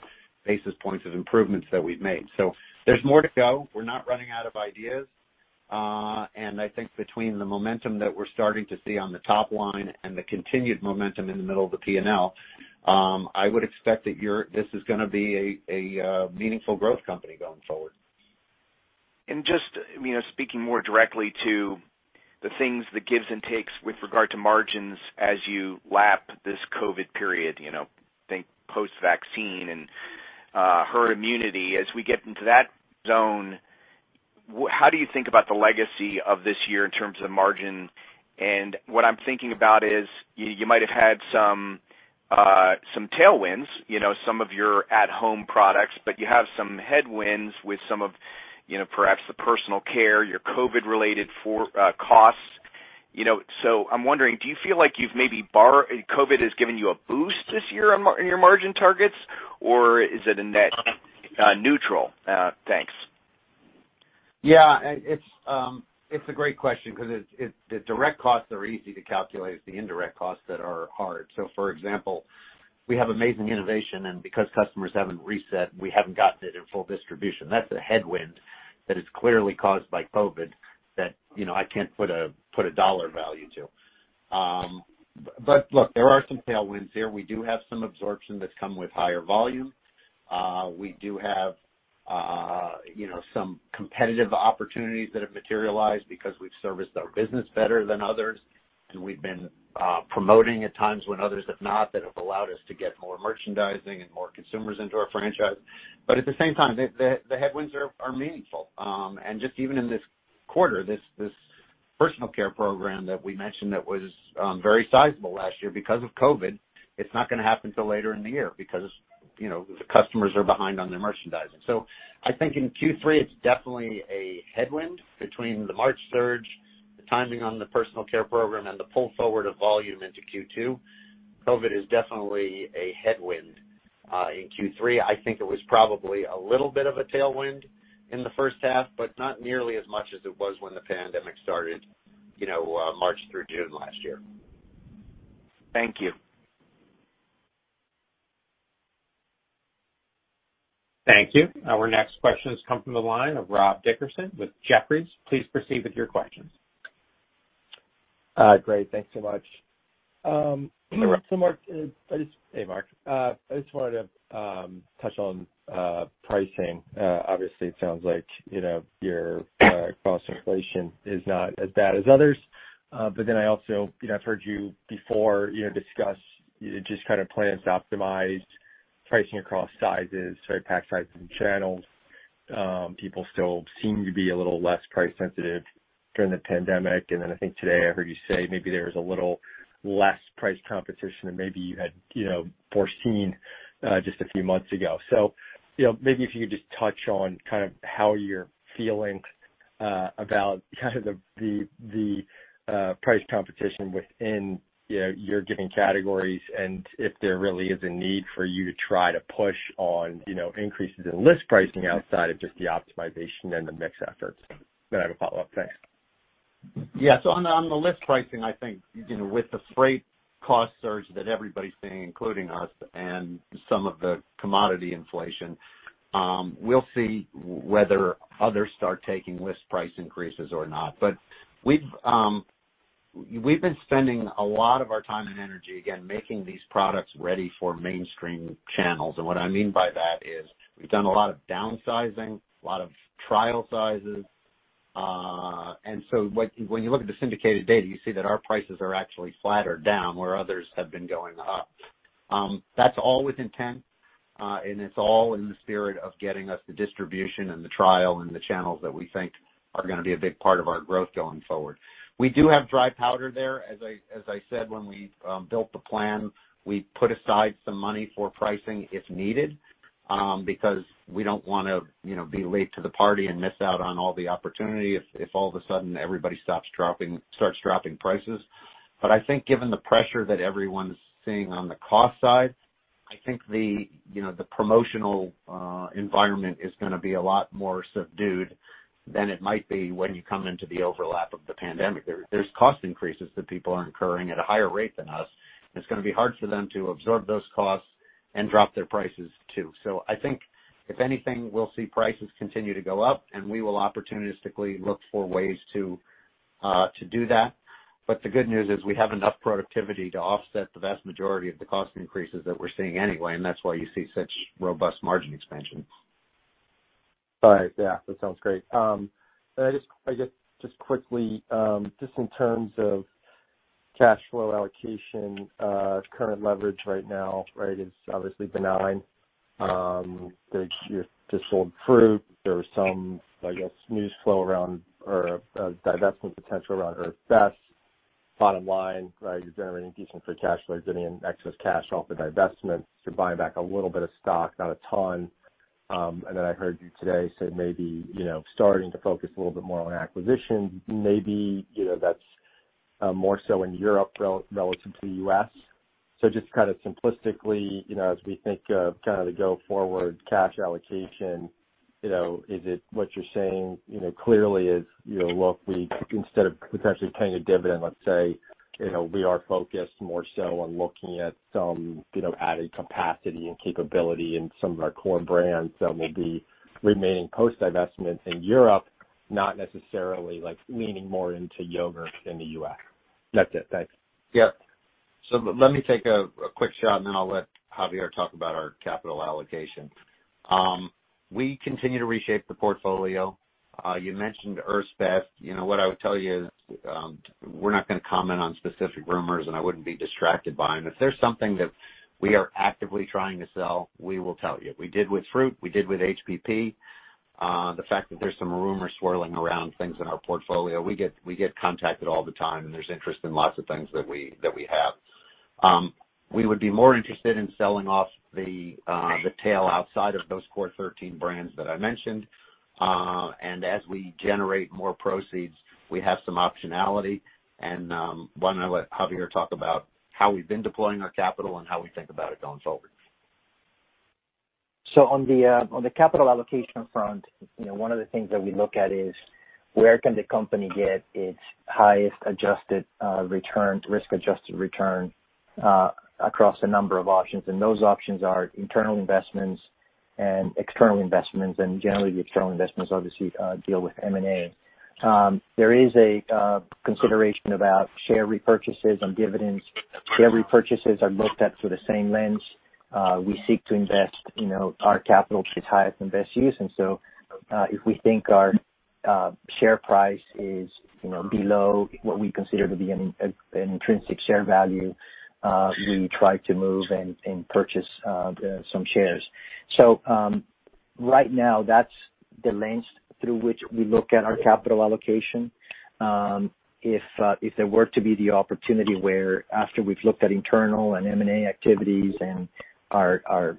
basis points of improvements that we've made. There's more to go. We're not running out of ideas. I think between the momentum that we're starting to see on the top line and the continued momentum in the middle of the P&L, I would expect that this is gonna be a meaningful growth company going forward. Just speaking more directly to the things, the gives and takes with regard to margins as you lap this COVID period, think post-vaccine and herd immunity. As we get into that zone, how do you think about the legacy of this year in terms of margin? What I'm thinking about is you might have had some tailwinds, some of your at-home products, but you have some headwinds with some of perhaps the personal care, your COVID-related costs. I'm wondering, do you feel like COVID has given you a boost this year in your margin targets, or is it a net neutral? Thanks. It's a great question because the direct costs are easy to calculate. It's the indirect costs that are hard. For example, we have amazing innovation, and because customers haven't reset, we haven't gotten it in full distribution. That's a headwind that is clearly caused by COVID that I can't put a dollar value to. Look, there are some tailwinds there. We do have some absorption that's come with higher volume. We do have some competitive opportunities that have materialized because we've serviced our business better than others, and we've been promoting at times when others have not, that have allowed us to get more merchandising and more consumers into our franchise. At the same time, the headwinds are meaningful. Just even in this quarter, this personal care program that we mentioned that was very sizable last year, because of COVID, it's not going to happen until later in the year because the customers are behind on their merchandising. I think in Q3, it's definitely a headwind between the March surge, the timing on the personal care program, and the pull forward of volume into Q2. COVID is definitely a headwind in Q3. I think it was probably a little bit of a tailwind in the first half, but not nearly as much as it was when the pandemic started March through June last year. Thank you. Thank you. Our next question has come from the line of Rob Dickerson with Jefferies. Please proceed with your questions. Great. Thanks so much. Hey, Mark. I just wanted to touch on pricing. Obviously, it sounds like your cost inflation is not as bad as others. I've heard you before discuss just plans to optimize pricing across sizes, sorry, pack sizes and channels. People still seem to be a little less price sensitive during the pandemic. I think today I heard you say maybe there's a little less price competition than maybe you had foreseen just a few months ago. Maybe if you could just touch on how you're feeling about the price competition within your given categories and if there really is a need for you to try to push on increases in list pricing outside of just the optimization and the mix efforts. I have a follow-up. Thanks. On the list pricing, I think with the freight cost surge that everybody's seeing, including us, and some of the commodity inflation, we'll see whether others start taking list price increases or not. We've been spending a lot of our time and energy, again, making these products ready for mainstream channels. What I mean by that is we've done a lot of downsizing, a lot of trial sizes. When you look at the syndicated data, you see that our prices are actually flat or down, where others have been going up. That's all with intent, and it's all in the spirit of getting us the distribution and the trial and the channels that we think are going to be a big part of our growth going forward. We do have dry powder there. As I said, when we built the plan, we put aside some money for pricing if needed, because we don't want to be late to the party and miss out on all the opportunity if all of a sudden everybody starts dropping prices. I think given the pressure that everyone's seeing on the cost side, I think the promotional environment is going to be a lot more subdued than it might be when you come into the overlap of the pandemic. There's cost increases that people are incurring at a higher rate than us, and it's going to be hard for them to absorb those costs and drop their prices, too. I think if anything, we'll see prices continue to go up, and we will opportunistically look for ways to do that. The good news is we have enough productivity to offset the vast majority of the cost increases that we're seeing anyway, and that's why you see such robust margin expansion. All right. Yeah. That sounds great. I guess just quickly, just in terms of cash flow allocation, current leverage right now, right, is obviously benign. You just sold fruit. There was some, I guess, news flow around or a divestment potential around Earth's Best. Bottom line, right, you're generating decent free cash flow. You're getting excess cash off the divestments. You're buying back a little bit of stock, not a ton. I heard you today say maybe starting to focus a little bit more on acquisition. Maybe that's more so in Europe relative to U.S. Just simplistically, as we think of the go-forward cash allocation, is it what you're saying clearly, instead of potentially paying a dividend, let's say, we are focused more so on looking at some added capacity and capability in some of our core brands that may be remaining post divestments in Europe, not necessarily leaning more into yogurt in the U.S.? That's it. Thanks. Yep. Let me take a quick shot, and then I'll let Javier talk about our capital allocation. We continue to reshape the portfolio. You mentioned Earth's Best. What I would tell you is we're not going to comment on specific rumors, and I wouldn't be distracted by them. If there's something that we are actively trying to sell, we will tell you. We did with fruit, we did with HPP. The fact that there's some rumors swirling around things in our portfolio, we get contacted all the time, and there's interest in lots of things that we have. We would be more interested in selling off the tail outside of those core 13 brands that I mentioned. As we generate more proceeds, we have some optionality. Why don't I let Javier talk about how we've been deploying our capital and how we think about it going forward. On the capital allocation front, one of the things that we look at is where can the company get its highest risk-adjusted return across a number of options. Those options are internal investments and external investments, and generally the external investments obviously deal with M&A. There is a consideration about share repurchases and dividends. Share repurchases are looked at through the same lens. We seek to invest our capital to its highest and best use. If we think our share price is below what we consider to be an intrinsic share value, we try to move and purchase some shares. Right now, that's the lens through which we look at our capital allocation. If there were to be the opportunity where after we've looked at internal and M&A activities and our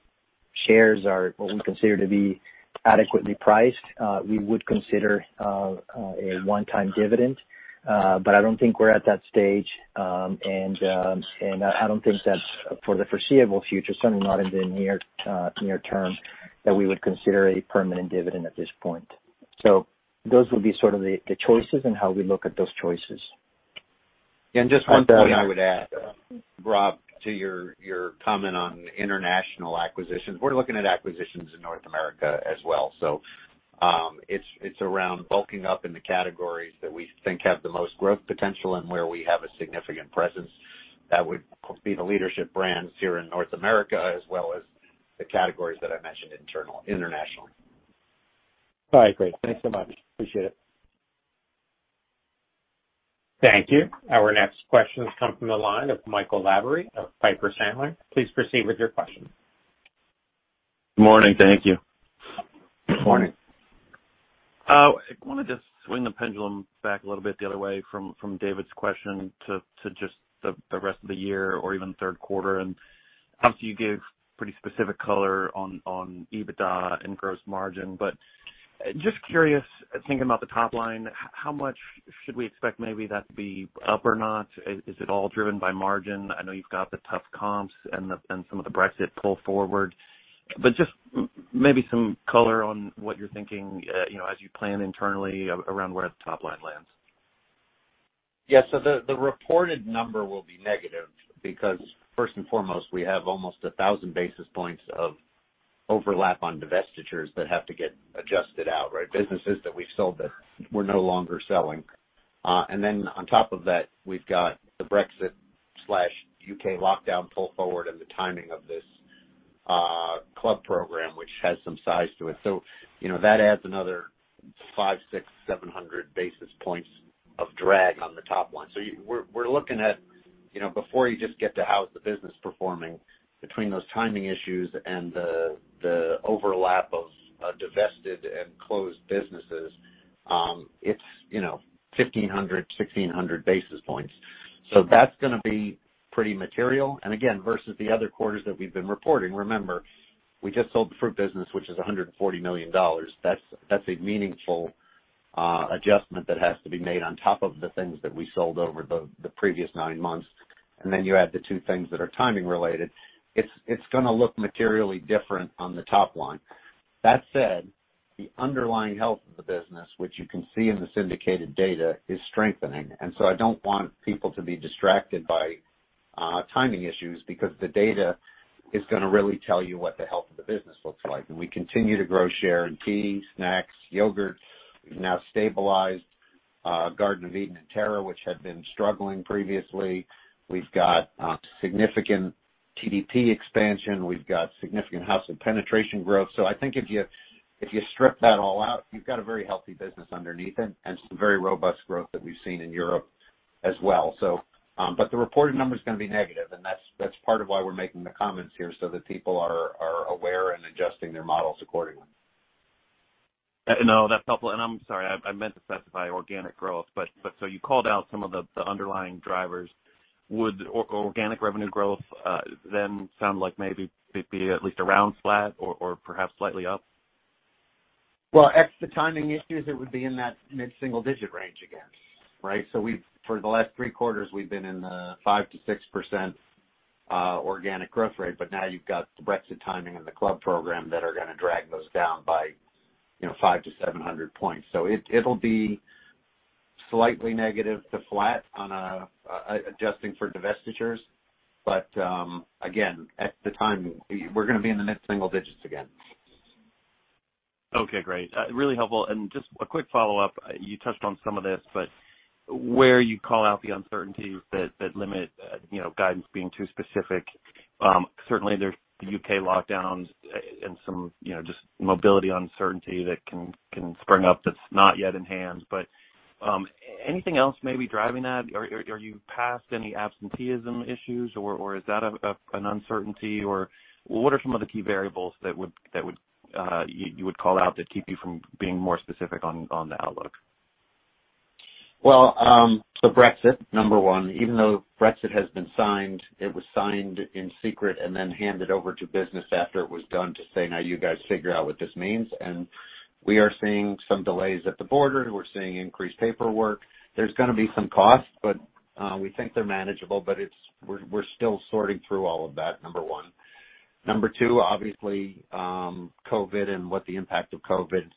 shares are what we consider to be adequately priced, we would consider a one-time dividend. I don't think we're at that stage. I don't think that for the foreseeable future, certainly not in the near term, that we would consider a permanent dividend at this point. Those would be sort of the choices and how we look at those choices. Just one point I would add, Rob, to your comment on international acquisitions. We're looking at acquisitions in North America as well. It's around bulking up in the categories that we think have the most growth potential and where we have a significant presence that would be the leadership brands here in North America as well as the categories that I mentioned internationally. All right, great. Thanks so much. Appreciate it. Thank you. Our next question comes from the line of Michael Lavery of Piper Sandler. Please proceed with your question. Morning. Thank you. Morning. I want to just swing the pendulum back a little bit the other way from David's question to just the rest of the year or even third quarter. Obviously you gave pretty specific color on EBITDA and gross margin, but just curious, thinking about the top line, how much should we expect maybe that to be up or not? Is it all driven by margin? I know you've got the tough comps and some of the Brexit pull forward, but just maybe some color on what you're thinking as you plan internally around where the top line lands. Yeah. The reported number will be negative because first and foremost, we have almost 1,000 basis points of overlap on divestitures that have to get adjusted out, right? Businesses that we sold that we're no longer selling. On top of that, we've got the Brexit/U.K. lockdown pull forward and the timing of this club program, which has some size to it. That adds another 500, 600, 700 basis points of drag on the top line. We're looking at before you just get to how is the business performing between those timing issues and the overlap of divested and closed businesses, it's 1,500, 1,600 basis points. That's going to be pretty material. Again, versus the other quarters that we've been reporting, remember, we just sold the fruit business, which is $140 million. That's a meaningful adjustment that has to be made on top of the things that we sold over the previous nine months. Then you add the two things that are timing related. It's going to look materially different on the top line. That said, the underlying health of the business, which you can see in the syndicated data, is strengthening. I don't want people to be distracted by timing issues because the data is going to really tell you what the health of the business looks like. We continue to grow share in tea, snacks, yogurt. We've now stabilized Garden of Eatin' and Terra, which had been struggling previously. We've got significant TDP expansion. We've got significant household penetration growth. I think if you strip that all out, you've got a very healthy business underneath it and some very robust growth that we've seen in Europe as well. The reported number is going to be negative, and that's part of why we're making the comments here so that people are aware and adjusting their models accordingly. No, that's helpful. I'm sorry, I meant to specify organic growth, but so you called out some of the underlying drivers. Would organic revenue growth then sound like maybe it'd be at least around flat or perhaps slightly up? Well, ex the timing issues, it would be in that mid-single digit range again, right? For the last three quarters, we've been in the 5%-6% organic growth rate, now you've got the Brexit timing and the club program that are going to drag those down by 500-700 points. It'll be slightly negative to flat adjusting for divestitures. Again, ex the timing, we're going to be in the mid-single digits again. Okay, great. Really helpful. Just a quick follow-up. You touched on some of this, but where you call out the uncertainties that limit guidance being too specific. Certainly there's the U.K. lockdowns and some just mobility uncertainty that can spring up that's not yet in hand. Anything else maybe driving that? Are you past any absenteeism issues, or is that an uncertainty? What are some of the key variables that you would call out that keep you from being more specific on the outlook? Brexit, number one. Even though Brexit has been signed, it was signed in secret and then handed over to business after it was done to say, "Now you guys figure out what this means." We are seeing some delays at the border. We're seeing increased paperwork. There's going to be some costs, but we think they're manageable. We're still sorting through all of that, number one. Number two, obviously, COVID and what the impact of COVID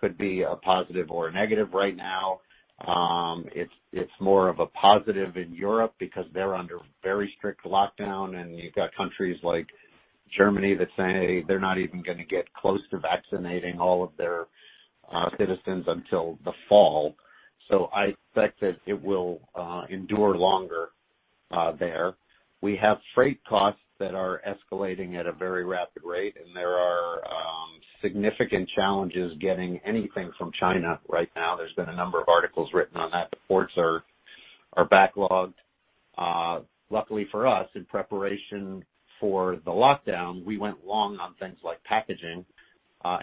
could be a positive or a negative right now. It's more of a positive in Europe because they're under very strict lockdown, and you've got countries like Germany that say they're not even going to get close to vaccinating all of their citizens until the fall. I expect that it will endure longer there. We have freight costs that are escalating at a very rapid rate, and there are significant challenges getting anything from China right now. There's been a number of articles written on that. The ports are backlogged. Luckily for us, in preparation for the lockdown, we went long on things like packaging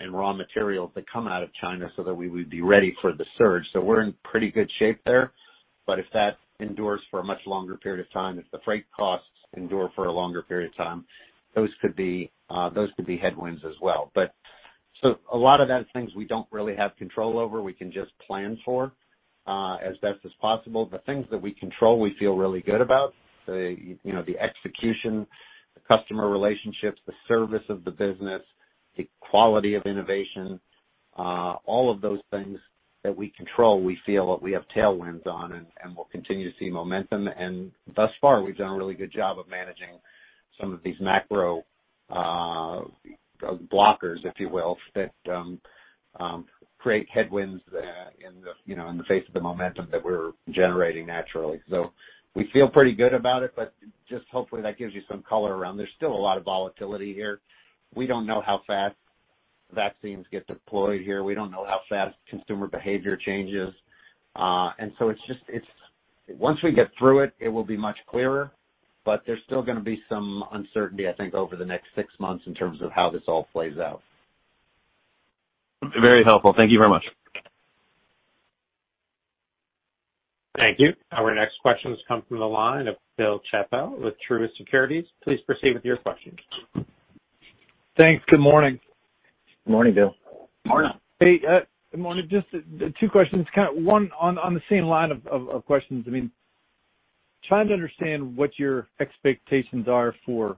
and raw materials that come out of China so that we would be ready for the surge. We're in pretty good shape there. If that endures for a much longer period of time, if the freight costs endure for a longer period of time, those could be headwinds as well. A lot of that is things we don't really have control over. We can just plan for as best as possible. The things that we control, we feel really good about. The execution, the customer relationships, the service of the business, the quality of innovation. All of those things that we control, we feel that we have tailwinds on and we'll continue to see momentum. Thus far, we've done a really good job of managing some of these macro blockers, if you will, that create headwinds in the face of the momentum that we're generating naturally. We feel pretty good about it, but just hopefully that gives you some color around. There's still a lot of volatility here. We don't know how fast vaccines get deployed here. We don't know how fast consumer behavior changes. Once we get through it will be much clearer, but there's still going to be some uncertainty, I think, over the next six months in terms of how this all plays out. Very helpful. Thank you very much. Thank you. Our next question has come from the line of Bill Chappell with Truist Securities. Please proceed with your question. Thanks. Good morning. Morning, Bill. Morning. Hey, good morning. Just two questions. One on the same line of questions. I'm trying to understand what your expectations are for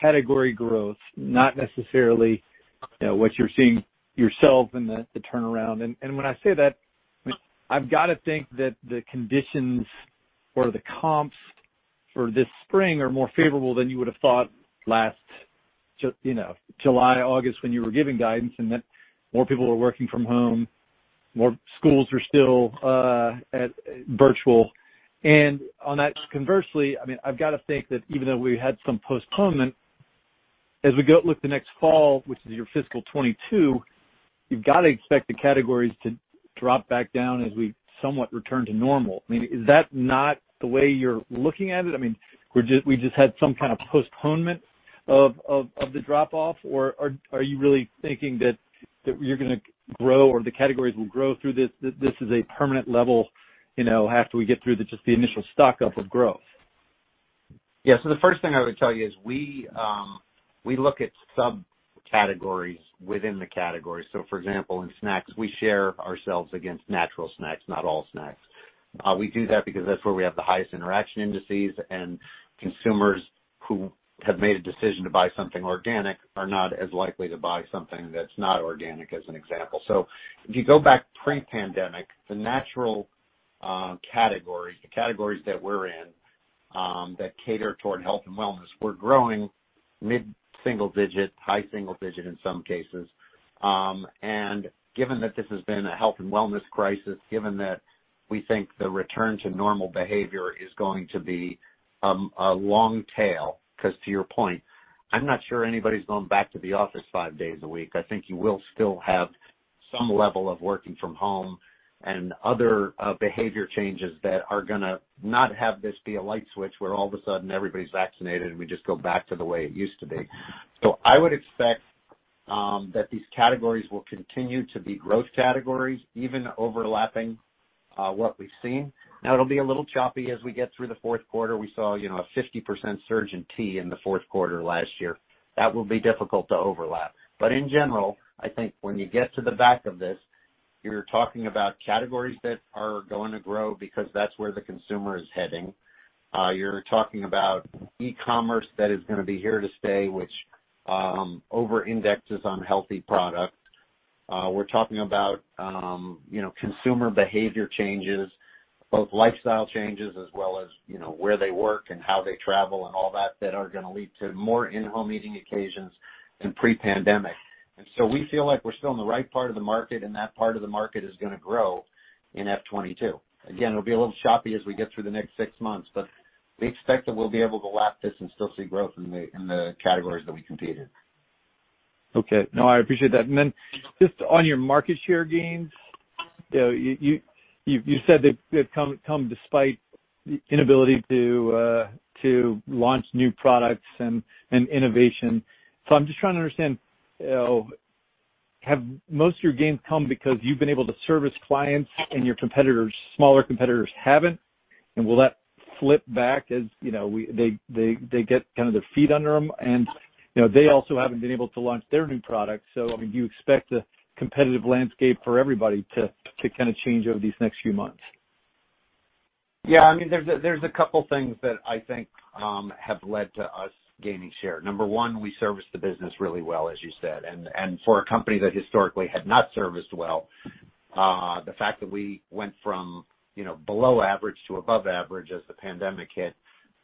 category growth, not necessarily what you're seeing yourself in the turnaround. When I say that, I've got to think that the conditions or the comps for this spring are more favorable than you would have thought last July, August, when you were giving guidance and that more people were working from home, more schools were still virtual. On that, conversely, I've got to think that even though we had some postponement, as we look the next fall, which is your fiscal 2022, you've got to expect the categories to drop back down as we somewhat return to normal. Is that not the way you're looking at it? We just had some kind of postponement of the drop-off, or are you really thinking that you're going to grow or the categories will grow through this, that this is a permanent level after we get through just the initial stock-up of growth? The first thing I would tell you is we look at subcategories within the category. For example, in snacks, we share ourselves against natural snacks, not all snacks. We do that because that's where we have the highest interaction indices, and consumers who have made a decision to buy something organic are not as likely to buy something that's not organic, as an example. If you go back pre-pandemic, the natural categories, the categories that we're in that cater toward health and wellness were growing mid-single digit, high single digit in some cases. Given that this has been a health and wellness crisis, given that we think the return to normal behavior is going to be a long tail, because to your point, I'm not sure anybody's going back to the office five days a week. I think you will still have some level of working from home and other behavior changes that are going to not have this be a light switch where all of a sudden everybody's vaccinated and we just go back to the way it used to be. I would expect that these categories will continue to be growth categories, even overlapping what we've seen. Now, it'll be a little choppy as we get through the fourth quarter. We saw a 50% surge in tea in the fourth quarter last year. That will be difficult to overlap. In general, I think when you get to the back of this, you're talking about categories that are going to grow because that's where the consumer is heading. You're talking about e-commerce that is going to be here to stay, which over-indexes on healthy products. We're talking about consumer behavior changes, both lifestyle changes as well as where they work and how they travel and all that are going to lead to more in-home eating occasions than pre-pandemic. We feel like we're still in the right part of the market, and that part of the market is going to grow in FY 2022. Again, it'll be a little choppy as we get through the next six months, but we expect that we'll be able to lap this and still see growth in the categories that we compete in. Okay. No, I appreciate that. Just on your market share gains, you said they've come despite the inability to launch new products and innovation. I'm just trying to understand. Have most of your gains come because you've been able to service clients and your smaller competitors haven't? Will that flip back as they get their feet under them? They also haven't been able to launch their new product. Do you expect the competitive landscape for everybody to change over these next few months? Yeah. There's a couple things that I think have led to us gaining share. Number one, we service the business really well, as you said. For a company that historically had not serviced well, the fact that we went from below average to above average as the pandemic hit,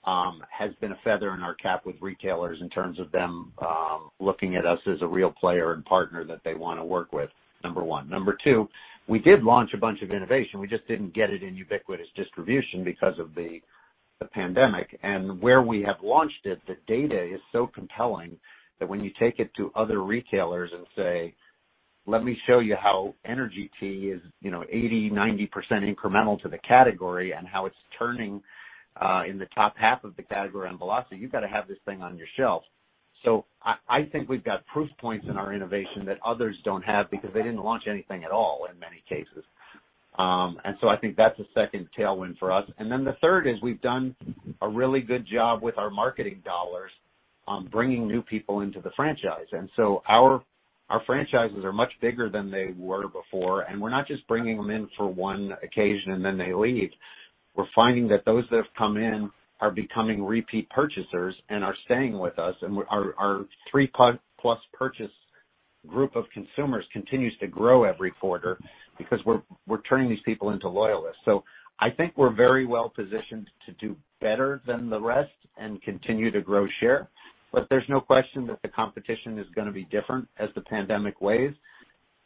has been a feather in our cap with retailers in terms of them looking at us as a real player and partner that they want to work with, number one. Number two, we did launch a bunch of innovation. We just didn't get it in ubiquitous distribution because of the pandemic. Where we have launched it, the data is so compelling that when you take it to other retailers and say, "Let me show you how energy tea is 80%, 90% incremental to the category and how it's turning in the top half of the category on velocity, you've got to have this thing on your shelf." I think we've got proof points in our innovation that others don't have because they didn't launch anything at all, in many cases. I think that's a second tailwind for us. The third is we've done a really good job with our marketing dollars on bringing new people into the franchise. Our franchises are much bigger than they were before, and we're not just bringing them in for one occasion and then they leave. We're finding that those that have come in are becoming repeat purchasers and are staying with us, and our three+ purchase group of consumers continues to grow every quarter because we're turning these people into loyalists. I think we're very well positioned to do better than the rest and continue to grow share. There's no question that the competition is going to be different as the pandemic wanes.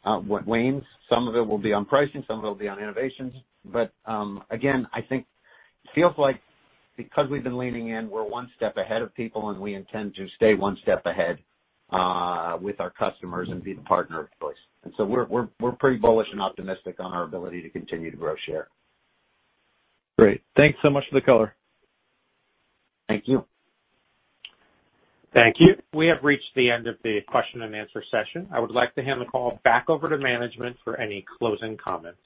Some of it will be on pricing, some of it will be on innovations. Again, I think it feels like because we've been leaning in, we're one step ahead of people, and we intend to stay one step ahead with our customers and be the partner of choice. We're pretty bullish and optimistic on our ability to continue to grow share. Great. Thanks so much for the color. Thank you. Thank you. We have reached the end of the question-and-answer session. I would like to hand the call back over to management for any closing comments.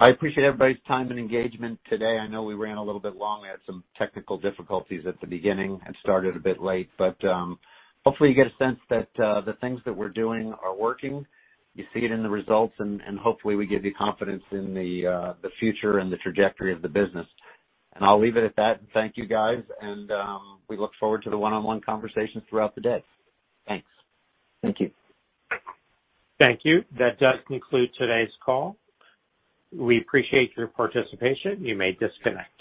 I appreciate everybody's time and engagement today. I know we ran a little bit long. We had some technical difficulties at the beginning and started a bit late, but hopefully you get a sense that the things that we're doing are working. You see it in the results, and hopefully we give you confidence in the future and the trajectory of the business. I'll leave it at that. Thank you, guys, and we look forward to the one-on-one conversations throughout the day. Thanks. Thank you. Thank you. That does conclude today's call. We appreciate your participation. You may disconnect.